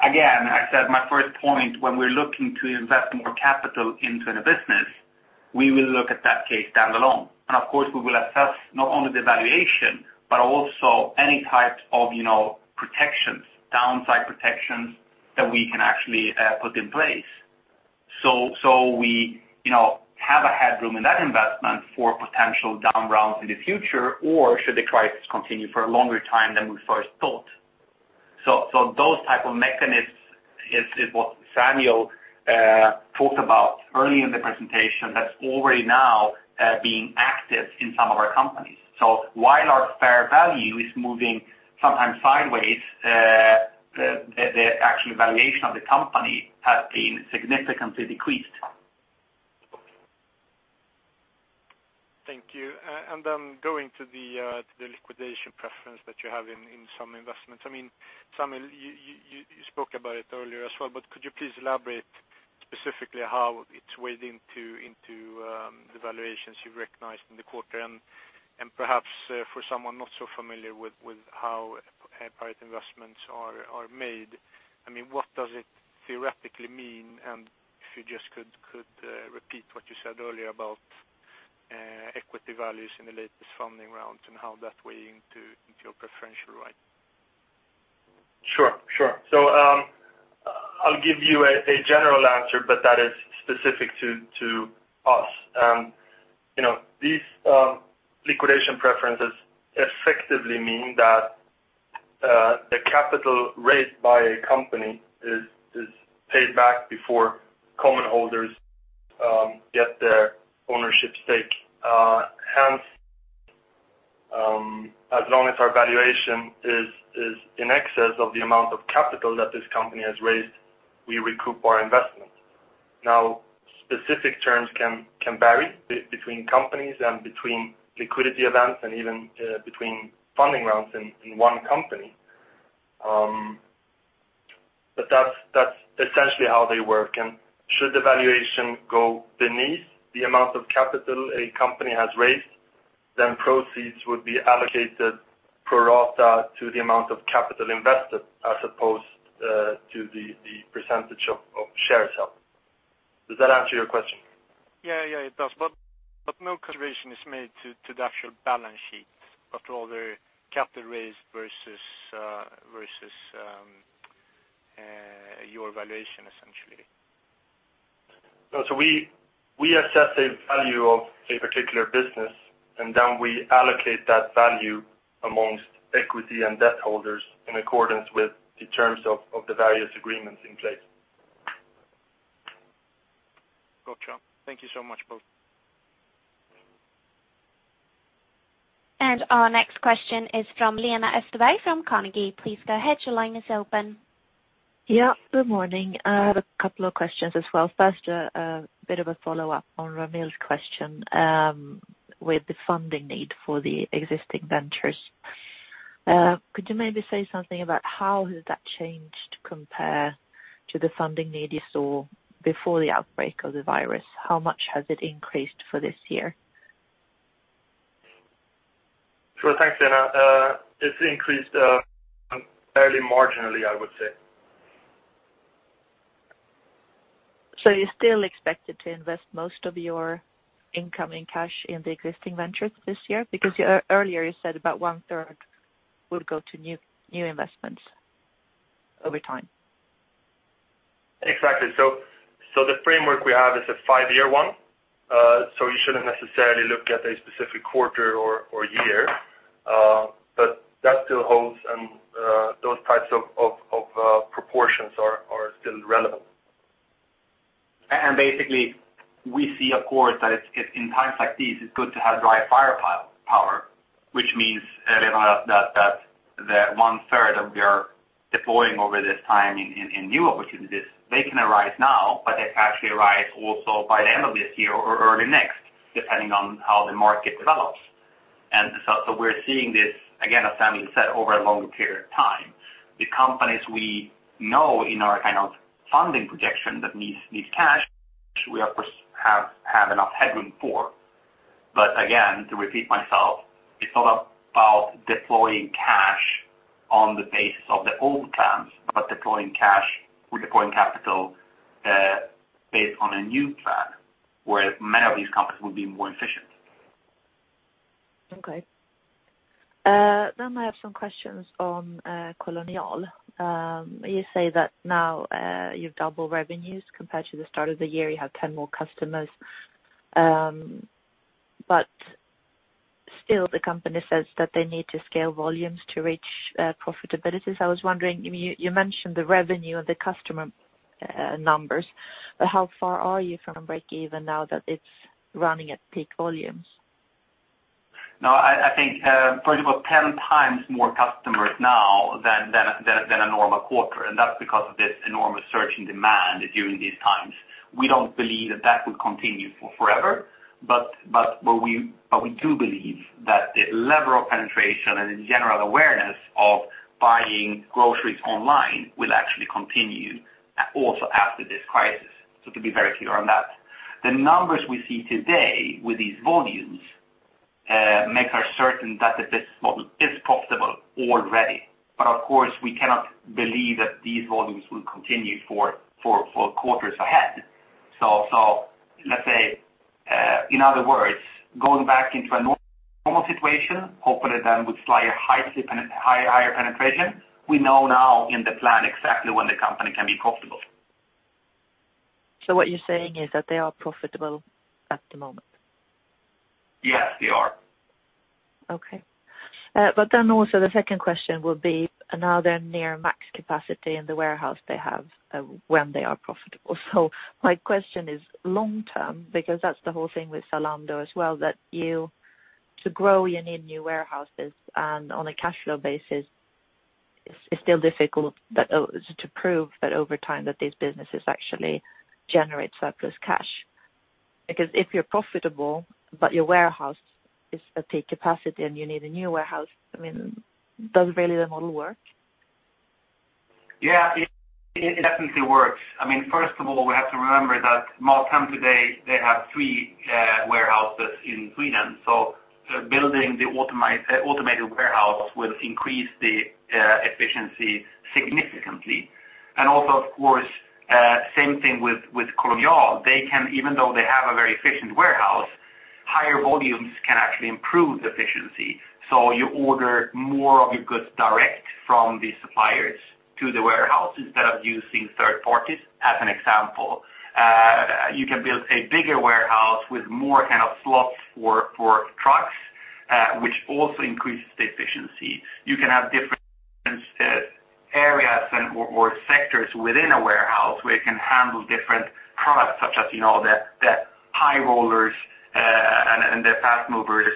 again, as I said, my first point, when we're looking to invest more capital into a business, we will look at that case standalone. Of course, we will assess not only the valuation, but also any types of protections, downside protections that we can actually put in place. We have a headroom in that investment for potential down rounds in the future, or should the crisis continue for a longer time than we first thought. Those type of mechanisms is what Samuel talked about early in the presentation that's already now being active in some of our companies. While our fair value is moving sometimes sideways, the actual valuation of the company has been significantly decreased. Thank you. Then going to the liquidation preference that you have in some investments. Samuel, you spoke about it earlier as well, but could you please elaborate specifically how it is weighed into the valuations you recognized in the quarter? Perhaps for someone not so familiar with how private investments are made, what does it theoretically mean? If you just could repeat what you said earlier about equity values in the latest funding rounds and how that weigh into your preferential right. Sure. I'll give you a general answer, but that is specific to us. These liquidation preferences effectively mean that the capital raised by a company is paid back before common holders get their ownership stake. Hence, as long as our valuation is in excess of the amount of capital that this company has raised, we recoup our investment. Specific terms can vary between companies and between liquidity events, and even between funding rounds in one company. That's essentially how they work, and should the valuation go beneath the amount of capital a company has raised, then proceeds would be allocated pro rata to the amount of capital invested as opposed to the percentage of shares held. Does that answer your question? Yeah, it does. No consideration is made to the actual balance sheet, but rather capital raised versus your valuation, essentially. No. We assess a value of a particular business, and then we allocate that value amongst equity and debt holders in accordance with the terms of the various agreements in place. Got you. Thank you so much, both. Our next question is from Lena Österberg from Carnegie. Please go ahead. Your line is open. Yeah. Good morning. I have a couple of questions as well. First, a bit of a follow-up on Ramil's question with the funding need for the existing ventures. Could you maybe say something about how has that changed compared to the funding need you saw before the outbreak of the virus? How much has it increased for this year? Sure. Thanks, Lena. It's increased fairly marginally, I would say. You still expected to invest most of your incoming cash in the existing ventures this year? Earlier you said about one-third would go to new investments over time. Exactly. The framework we have is a five-year one. You shouldn't necessarily look at a specific quarter or year. That still holds, and those types of proportions are still relevant. Basically, we see, of course, that in times like these, it's good to have dry firepower, which means, Lena, that the one-third that we are deploying over this time in new opportunities, they can arise now, but they can actually arise also by the end of this year or early next, depending on how the market develops. So we're seeing this, again, as Samuel said, over a longer period of time. The companies we know in our kind of funding projection that need cash, we of course have enough headroom for. Again, to repeat myself, it's not about deploying cash on the basis of the old plans, but deploying cash or deploying capital based on a new plan where many of these companies will be more efficient. Okay. I have some questions on Kolonial. You say that now you've doubled revenues compared to the start of the year. You have 10 more customers. Still the company says that they need to scale volumes to reach profitability. I was wondering, you mentioned the revenue and the customer numbers, but how far are you from breakeven now that it's running at peak volumes? I think first of all, 10x more customers now than a normal quarter. That's because of this enormous surge in demand during these times. We don't believe that that would continue forever. We do believe that the level of penetration and the general awareness of buying groceries online will actually continue also after this crisis. To be very clear on that. The numbers we see today with these volumes make us certain that the business model is profitable already. Of course, we cannot believe that these volumes will continue for quarters ahead. Let's say, in other words, going back into a normal situation, hopefully then with slightly higher penetration. We know now in the plan exactly when the company can be profitable. What you're saying is that they are profitable at the moment? Yes, they are. Okay. The second question will be, are they near max capacity in the warehouse they have when they are profitable? My question is long-term, because that's the whole thing with Zalando as well, that to grow, you need new warehouses, and on a cash flow basis it's still difficult to prove that over time that these businesses actually generate surplus cash. If you're profitable but your warehouse is at peak capacity and you need a new warehouse, does really the model work? Yeah, it definitely works. First of all, we have to remember that Mathem today, they have three warehouses in Sweden, so building the automated warehouse will increase the efficiency significantly. Also, of course, same thing with Kolonial. Even though they have a very efficient warehouse, higher volumes can actually improve the efficiency. You order more of your goods direct from the suppliers to the warehouse instead of using third parties, as an example. You can build a bigger warehouse with more slots for trucks, which also increases the efficiency. You can have different areas or sectors within a warehouse where you can handle different products, such as the high rollers and the fast movers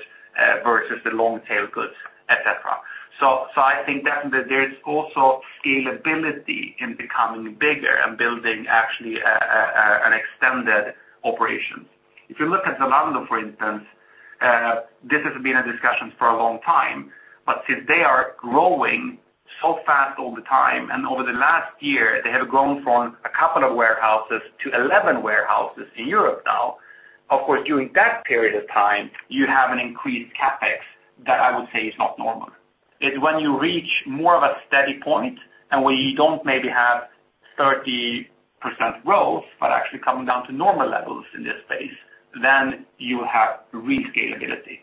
versus the long-tail goods, et cetera. I think definitely there is also scalability in becoming bigger and building actually an extended operation. You look at Zalando, for instance, this has been a discussion for a long time. Since they are growing so fast all the time and over the last year they have grown from a couple of warehouses to 11 warehouses in Europe now, of course, during that period of time, you have an increased CapEx that I would say is not normal. It's when you reach more of a steady point and where you don't maybe have 30% growth, but actually coming down to normal levels in this space, then you have rescalability.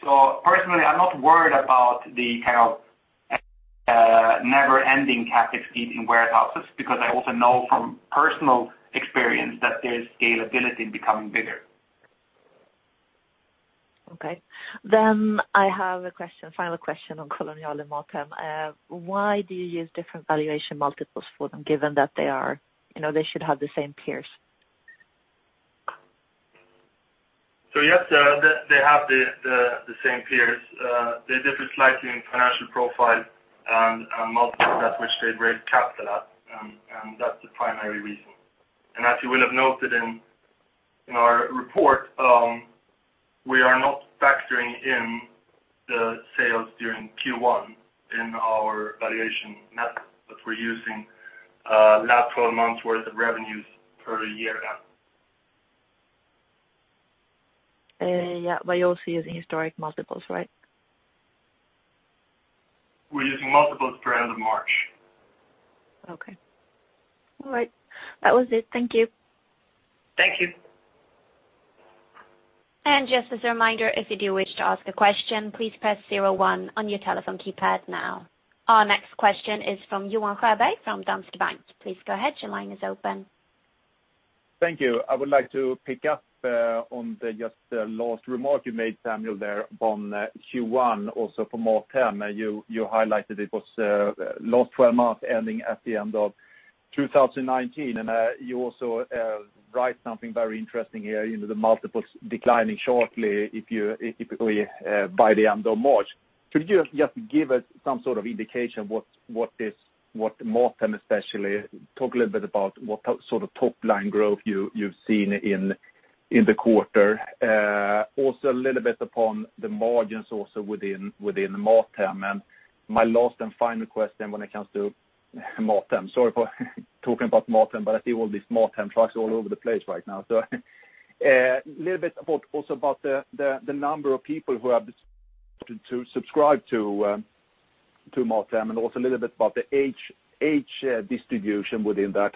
Personally, I'm not worried about the never-ending CapEx feed in warehouses because I also know from personal experience that there's scalability in becoming bigger. Okay. I have a final question on Kolonial and Mathem. Why do you use different valuation multiples for them given that they should have the same peers? Yes, they have the same peers. They differ slightly in financial profile and multiples at which they'd raise capital at, and that's the primary reason. As you will have noted in our report, we are not factoring in the sales during Q1 in our valuation method, but we're using last 12 months worth of revenues per year now. Yeah. You're also using historic multiples, right? We're using multiples per end of March. Okay. All right. That was it. Thank you. Thank you. Just as a reminder, if you do wish to ask a question, please press zero one on your telephone keypad now. Our next question is from Johan Sjöberg from Danske Bank. Please go ahead. Your line is open. Thank you. I would like to pick up on just the last remark you made, Samuel, there on Q1 also for Mathem. You highlighted it was last 12 months ending at the end of 2019, and you also write something very interesting here into the multiples declining shortly by the end of March. Could you just give us some sort of indication what Mathem especially, talk a little bit about what sort of top-line growth you've seen in the quarter. Also a little bit upon the margins also within Mathem. My last and final question when it comes to Mathem, sorry for talking about Mathem, but I see all these Mathem trucks all over the place right now. A little bit also about the number of people who have subscribed to Mathem, and also a little bit about the age distribution within that.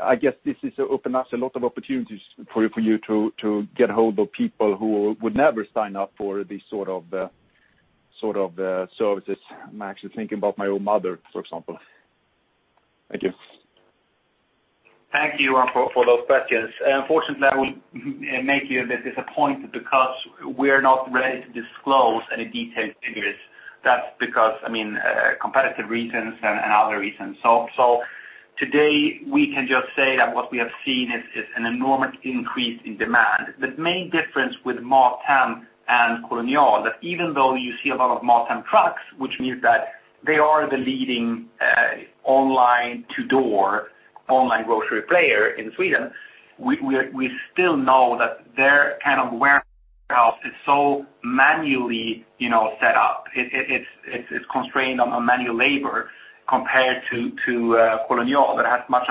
I guess this has opened up a lot of opportunities for you to get hold of people who would never sign up for these sort of services. I'm actually thinking about my own mother, for example. Thank you. Thank you for those questions. Unfortunately, I will make you a bit disappointed because we are not ready to disclose any detailed figures. That is because competitive reasons and other reasons. Today, we can just say that what we have seen is an enormous increase in demand. The main difference with MatHem and Kolonial, that even though you see a lot of MatHem trucks, which means that they are the leading online to door online grocery player in Sweden, we still know that their kind of warehouse is so manually set up. It is constrained on manual labor compared to Kolonial that has much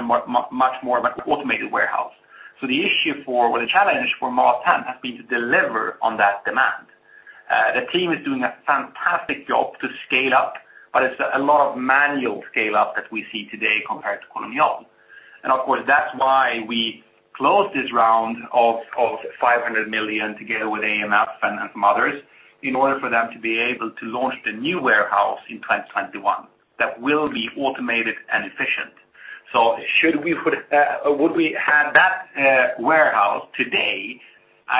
more of an automated warehouse. The issue or the challenge for MatHem has been to deliver on that demand. The team is doing a fantastic job to scale up, but it is a lot of manual scale-up that we see today compared to Kolonial. Of course, that's why we closed this round of 500 million together with AMF and some others in order for them to be able to launch the new warehouse in 2021 that will be automated and efficient. Should we have that warehouse today,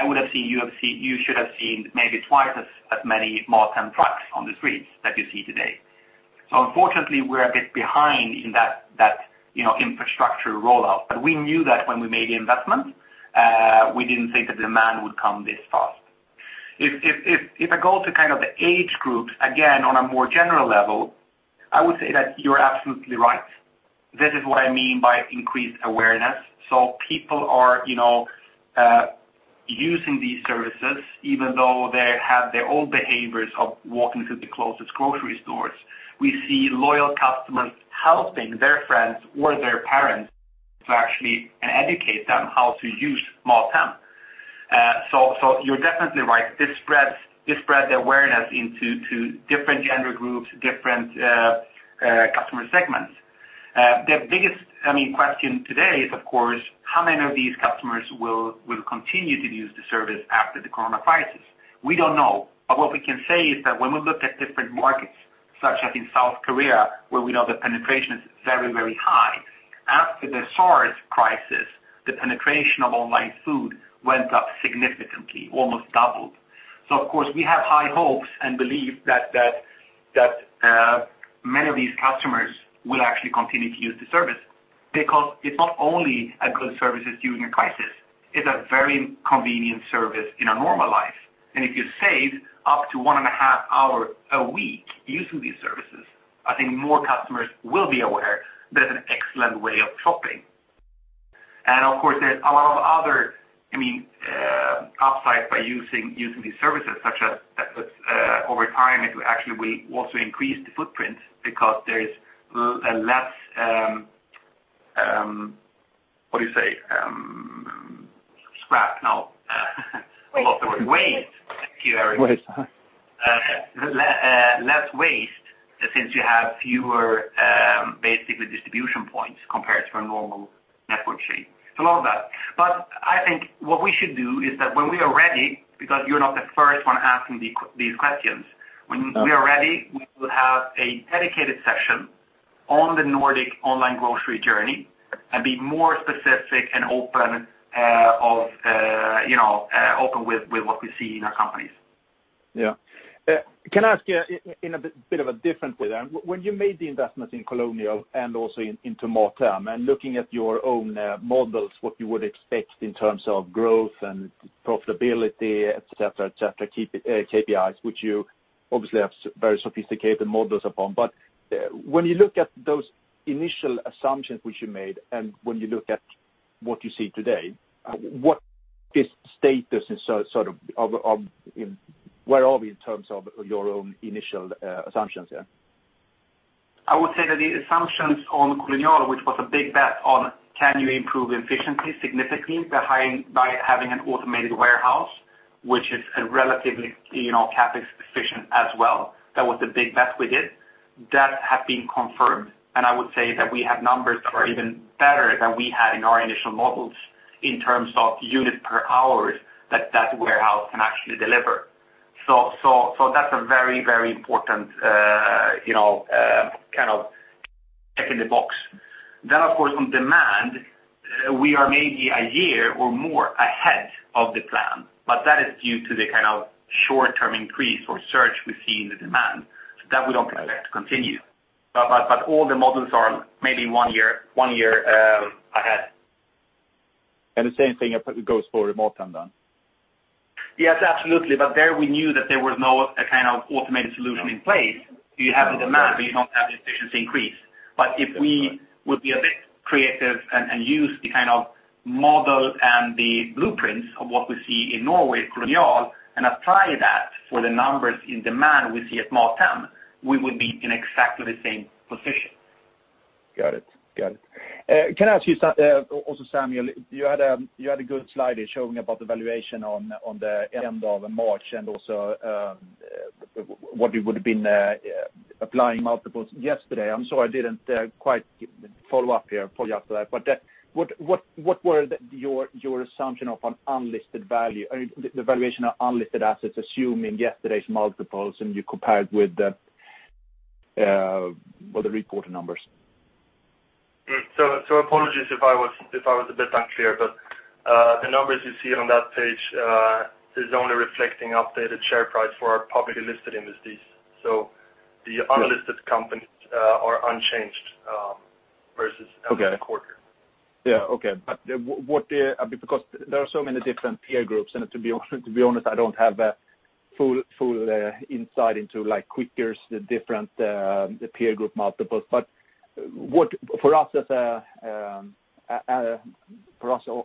you should have seen maybe twice as many Mathem trucks on the streets that you see today. Unfortunately, we're a bit behind in that infrastructure rollout, but we knew that when we made the investment. We didn't think the demand would come this fast. I go to kind of the age groups, again, on a more general level, I would say that you're absolutely right. This is what I mean by increased awareness. People are using these services, even though they have their old behaviors of walking to the closest grocery stores. We see loyal customers helping their friends or their parents to actually educate them how to use Mathem. You're definitely right. This spreads the awareness into different gender groups, different customer segments. The biggest question today is, of course, how many of these customers will continue to use the service after the corona crisis? We don't know, but what we can say is that when we look at different markets, such as in South Korea, where we know the penetration is very, very high. After the SARS crisis, the penetration of online food went up significantly, almost doubled. Of course, we have high hopes and believe that many of these customers will actually continue to use the service because it's not only a good service during a crisis, it's a very convenient service in a normal life. If you save up to one and a half hour a week using these services, I think more customers will be aware that it's an excellent way of shopping. Of course, there's a lot of other upsides by using these services, such as over time, it will actually will also increase the footprint because there's less. Waste. Waste. Thank you, Eri. Waste. Less waste since you have fewer, basically distribution points compared to a normal network chain. A lot of that. I think what we should do is that when we are ready, because you're not the first one asking these questions. When we are ready, we will have a dedicated session on the Nordic Online Grocery journey and be more specific and open with what we see in our companies. Yeah. Can I ask you in a bit of a different way then? When you made the investments in Kolonial and also into Mathem, and looking at your own models, what you would expect in terms of growth and profitability, et cetera, KPIs, which you obviously have very sophisticated models upon. When you look at those initial assumptions which you made, and when you look at what you see today, where are we in terms of your own initial assumptions there? I would say that the assumptions on Kolonial, which was a big bet on can you improve efficiency significantly by having an automated warehouse, which is relatively CapEx efficient as well, that was the big bet we did. That have been confirmed, and I would say that we have numbers that are even better than we had in our initial models in terms of unit per hours that warehouse can actually deliver. That's a very important check in the box. Of course, on demand, we are maybe one year or more ahead of the plan, but that is due to the short-term increase or surge we see in the demand. That we don't expect to continue. All the models are maybe one year ahead. The same thing goes for Mathem then? Yes, absolutely. There we knew that there was no automated solution in place. You have the demand, but you don't have the efficiency increase. If we would be a bit creative and use the kind of models and the blueprints of what we see in Norway with Kolonial and apply that for the numbers in demand we see at Mathem, we would be in exactly the same position. Got it. Can I ask you also, Samuel, you had a good slide showing about the valuation on the end of March and also what it would've been applying multiples yesterday. I am sorry, I did not quite follow up here fully after that. What were your assumption of an unlisted value or the valuation of unlisted assets, assuming yesterday's multiples and you compare it with the reported numbers? Apologies if I was a bit unclear, but the numbers you see on that page is only reflecting updated share price for our publicly listed entities. The unlisted companies are unchanged versus end of the quarter. Yeah. Okay. There are so many different peer groups and to be honest, I don't have a full insight into like Quickr's, the different peer group multiples. For us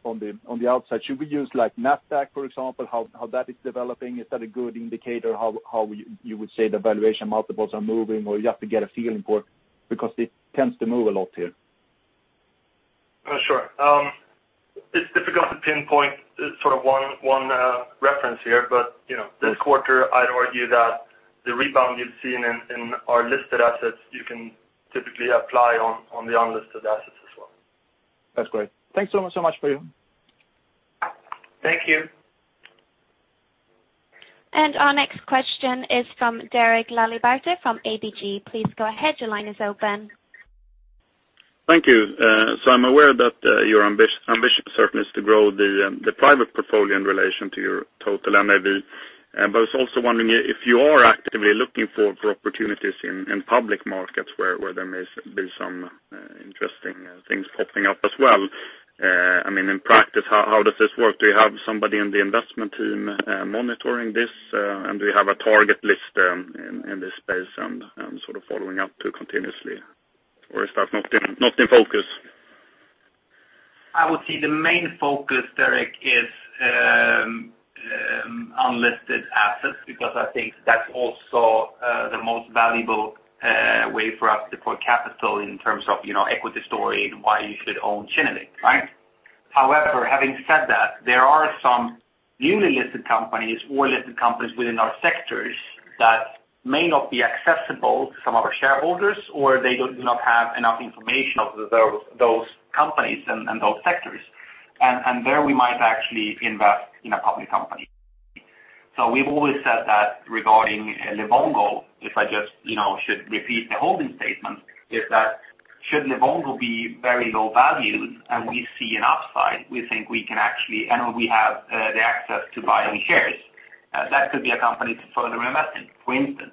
on the outside, should we use Nasdaq, for example, how that is developing? Is that a good indicator how you would say the valuation multiples are moving or you have to get a feeling for it? It tends to move a lot here. Sure. It's difficult to pinpoint one reference here. This quarter, I'd argue that the rebound you've seen in our listed assets, you can typically apply on the unlisted assets as well. That's great. Thanks so much for you. Thank you. Our next question is from Derek Laliberté from ABG. Please go ahead. Your line is open. Thank you. I'm aware that your ambition certainly is to grow the private portfolio in relation to your total NAV. I was also wondering if you are actively looking for opportunities in public markets where there may be some interesting things popping up as well. In practice, how does this work? Do you have somebody in the investment team monitoring this? Do you have a target list in this space and sort of following up too continuously, or is that not in focus? I would say the main focus, Derek, is unlisted assets because I think that's also the most valuable way for us to put capital in terms of equity story and why you should own Kinnevik, right? Having said that, there are some newly listed companies or listed companies within our sectors that may not be accessible to some of our shareholders, or they do not have enough information of those companies and those sectors. There we might actually invest in a public company. We've always said that regarding Livongo, if I just should repeat the holding statement, is that should Livongo be very low valued and we see an upside, we think we can actually, and we have the access to buying shares. That could be a company to further invest in, for instance.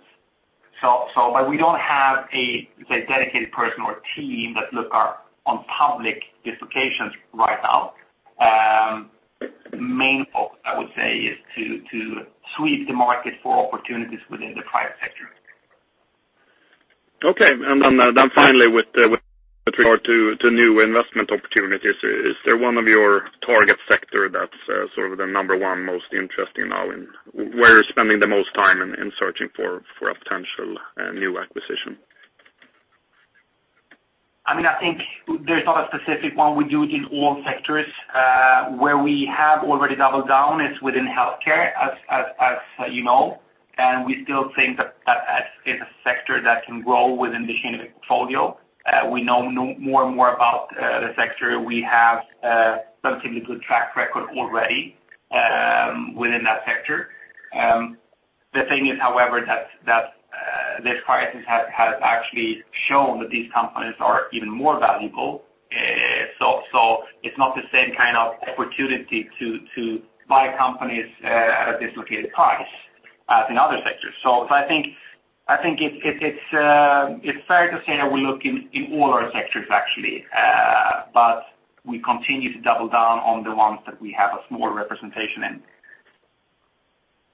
We don't have a dedicated person or team that look on public justifications right now. Main focus, I would say, is to sweep the market for opportunities within the private sector. Okay. Then finally with regard to new investment opportunities, is there one of your target sector that's sort of the number one most interesting now and where you're spending the most time in searching for a potential new acquisition? I think there's not a specific one. We do it in all sectors. Where we have already doubled down is within healthcare, as you know. We still think that it's a sector that can grow within the Kinnevik portfolio. We know more and more about the sector. We have a substantive good track record already within that sector. The thing is, however, that this crisis has actually shown that these companies are even more valuable. It's not the same kind of opportunity to buy companies at a dislocated price as in other sectors. I think it's fair to say that we look in all our sectors, actually, but we continue to double down on the ones that we have a smaller representation in.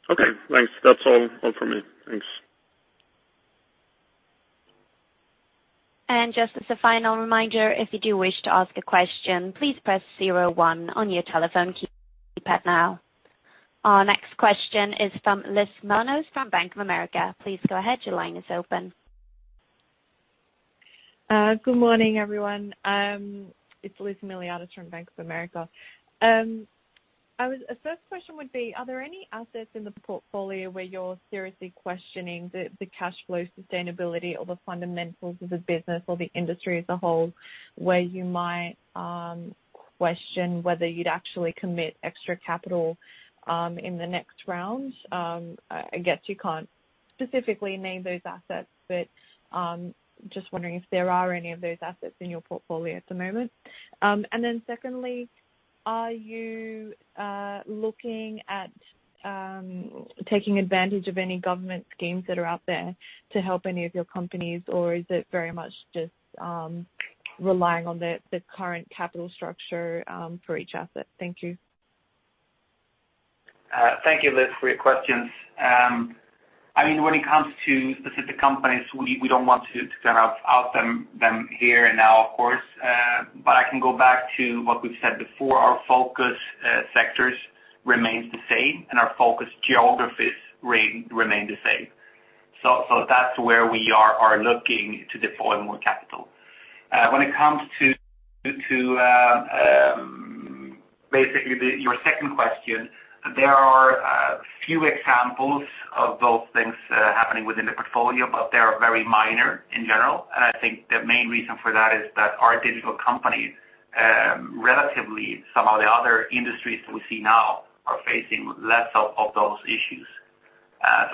Okay, thanks. That's all from me. Thanks. Just as a final reminder, if you do wish to ask a question, please press zero one on your telephone keypad now. Our next question is from Liz Miliatis from Bank of America. Please go ahead. Your line is open. Good morning, everyone. It's Liz Miliatis from Bank of America. First question would be, are there any assets in the portfolio where you're seriously questioning the cash flow sustainability or the fundamentals of the business or the industry as a whole, where you might question whether you'd actually commit extra capital in the next round? I guess you can't specifically name those assets, but just wondering if there are any of those assets in your portfolio at the moment. Secondly, are you looking at taking advantage of any government schemes that are out there to help any of your companies, or is it very much just relying on the current capital structure for each asset? Thank you. Thank you, Liz, for your questions. When it comes to specific companies, we don't want to out them here and now, of course. I can go back to what we've said before. Our focus sectors remains the same, and our focus geographies remain the same. That's where we are looking to deploy more capital. When it comes to basically your second question, there are a few examples of those things happening within the portfolio, but they are very minor in general. I think the main reason for that is that our digital companies, relatively, some of the other industries that we see now are facing less of those issues.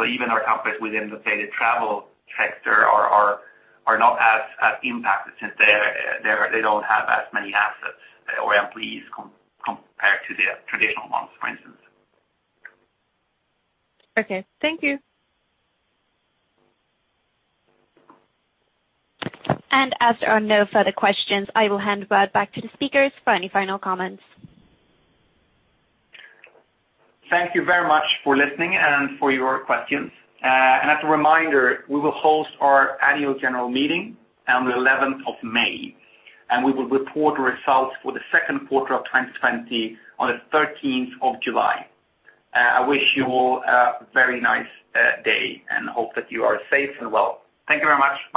Even our companies within, let's say, the travel sector are not as impacted since they don't have as many assets or employees compared to the traditional ones, for instance. Okay. Thank you. As there are no further questions, I will hand back to the speakers for any final comments. Thank you very much for listening and for your questions. As a reminder, we will host our annual general meeting on the 11th of May, and we will report results for the second quarter of 2020 on the 13th of July. I wish you all a very nice day and hope that you are safe and well. Thank you very much. Bye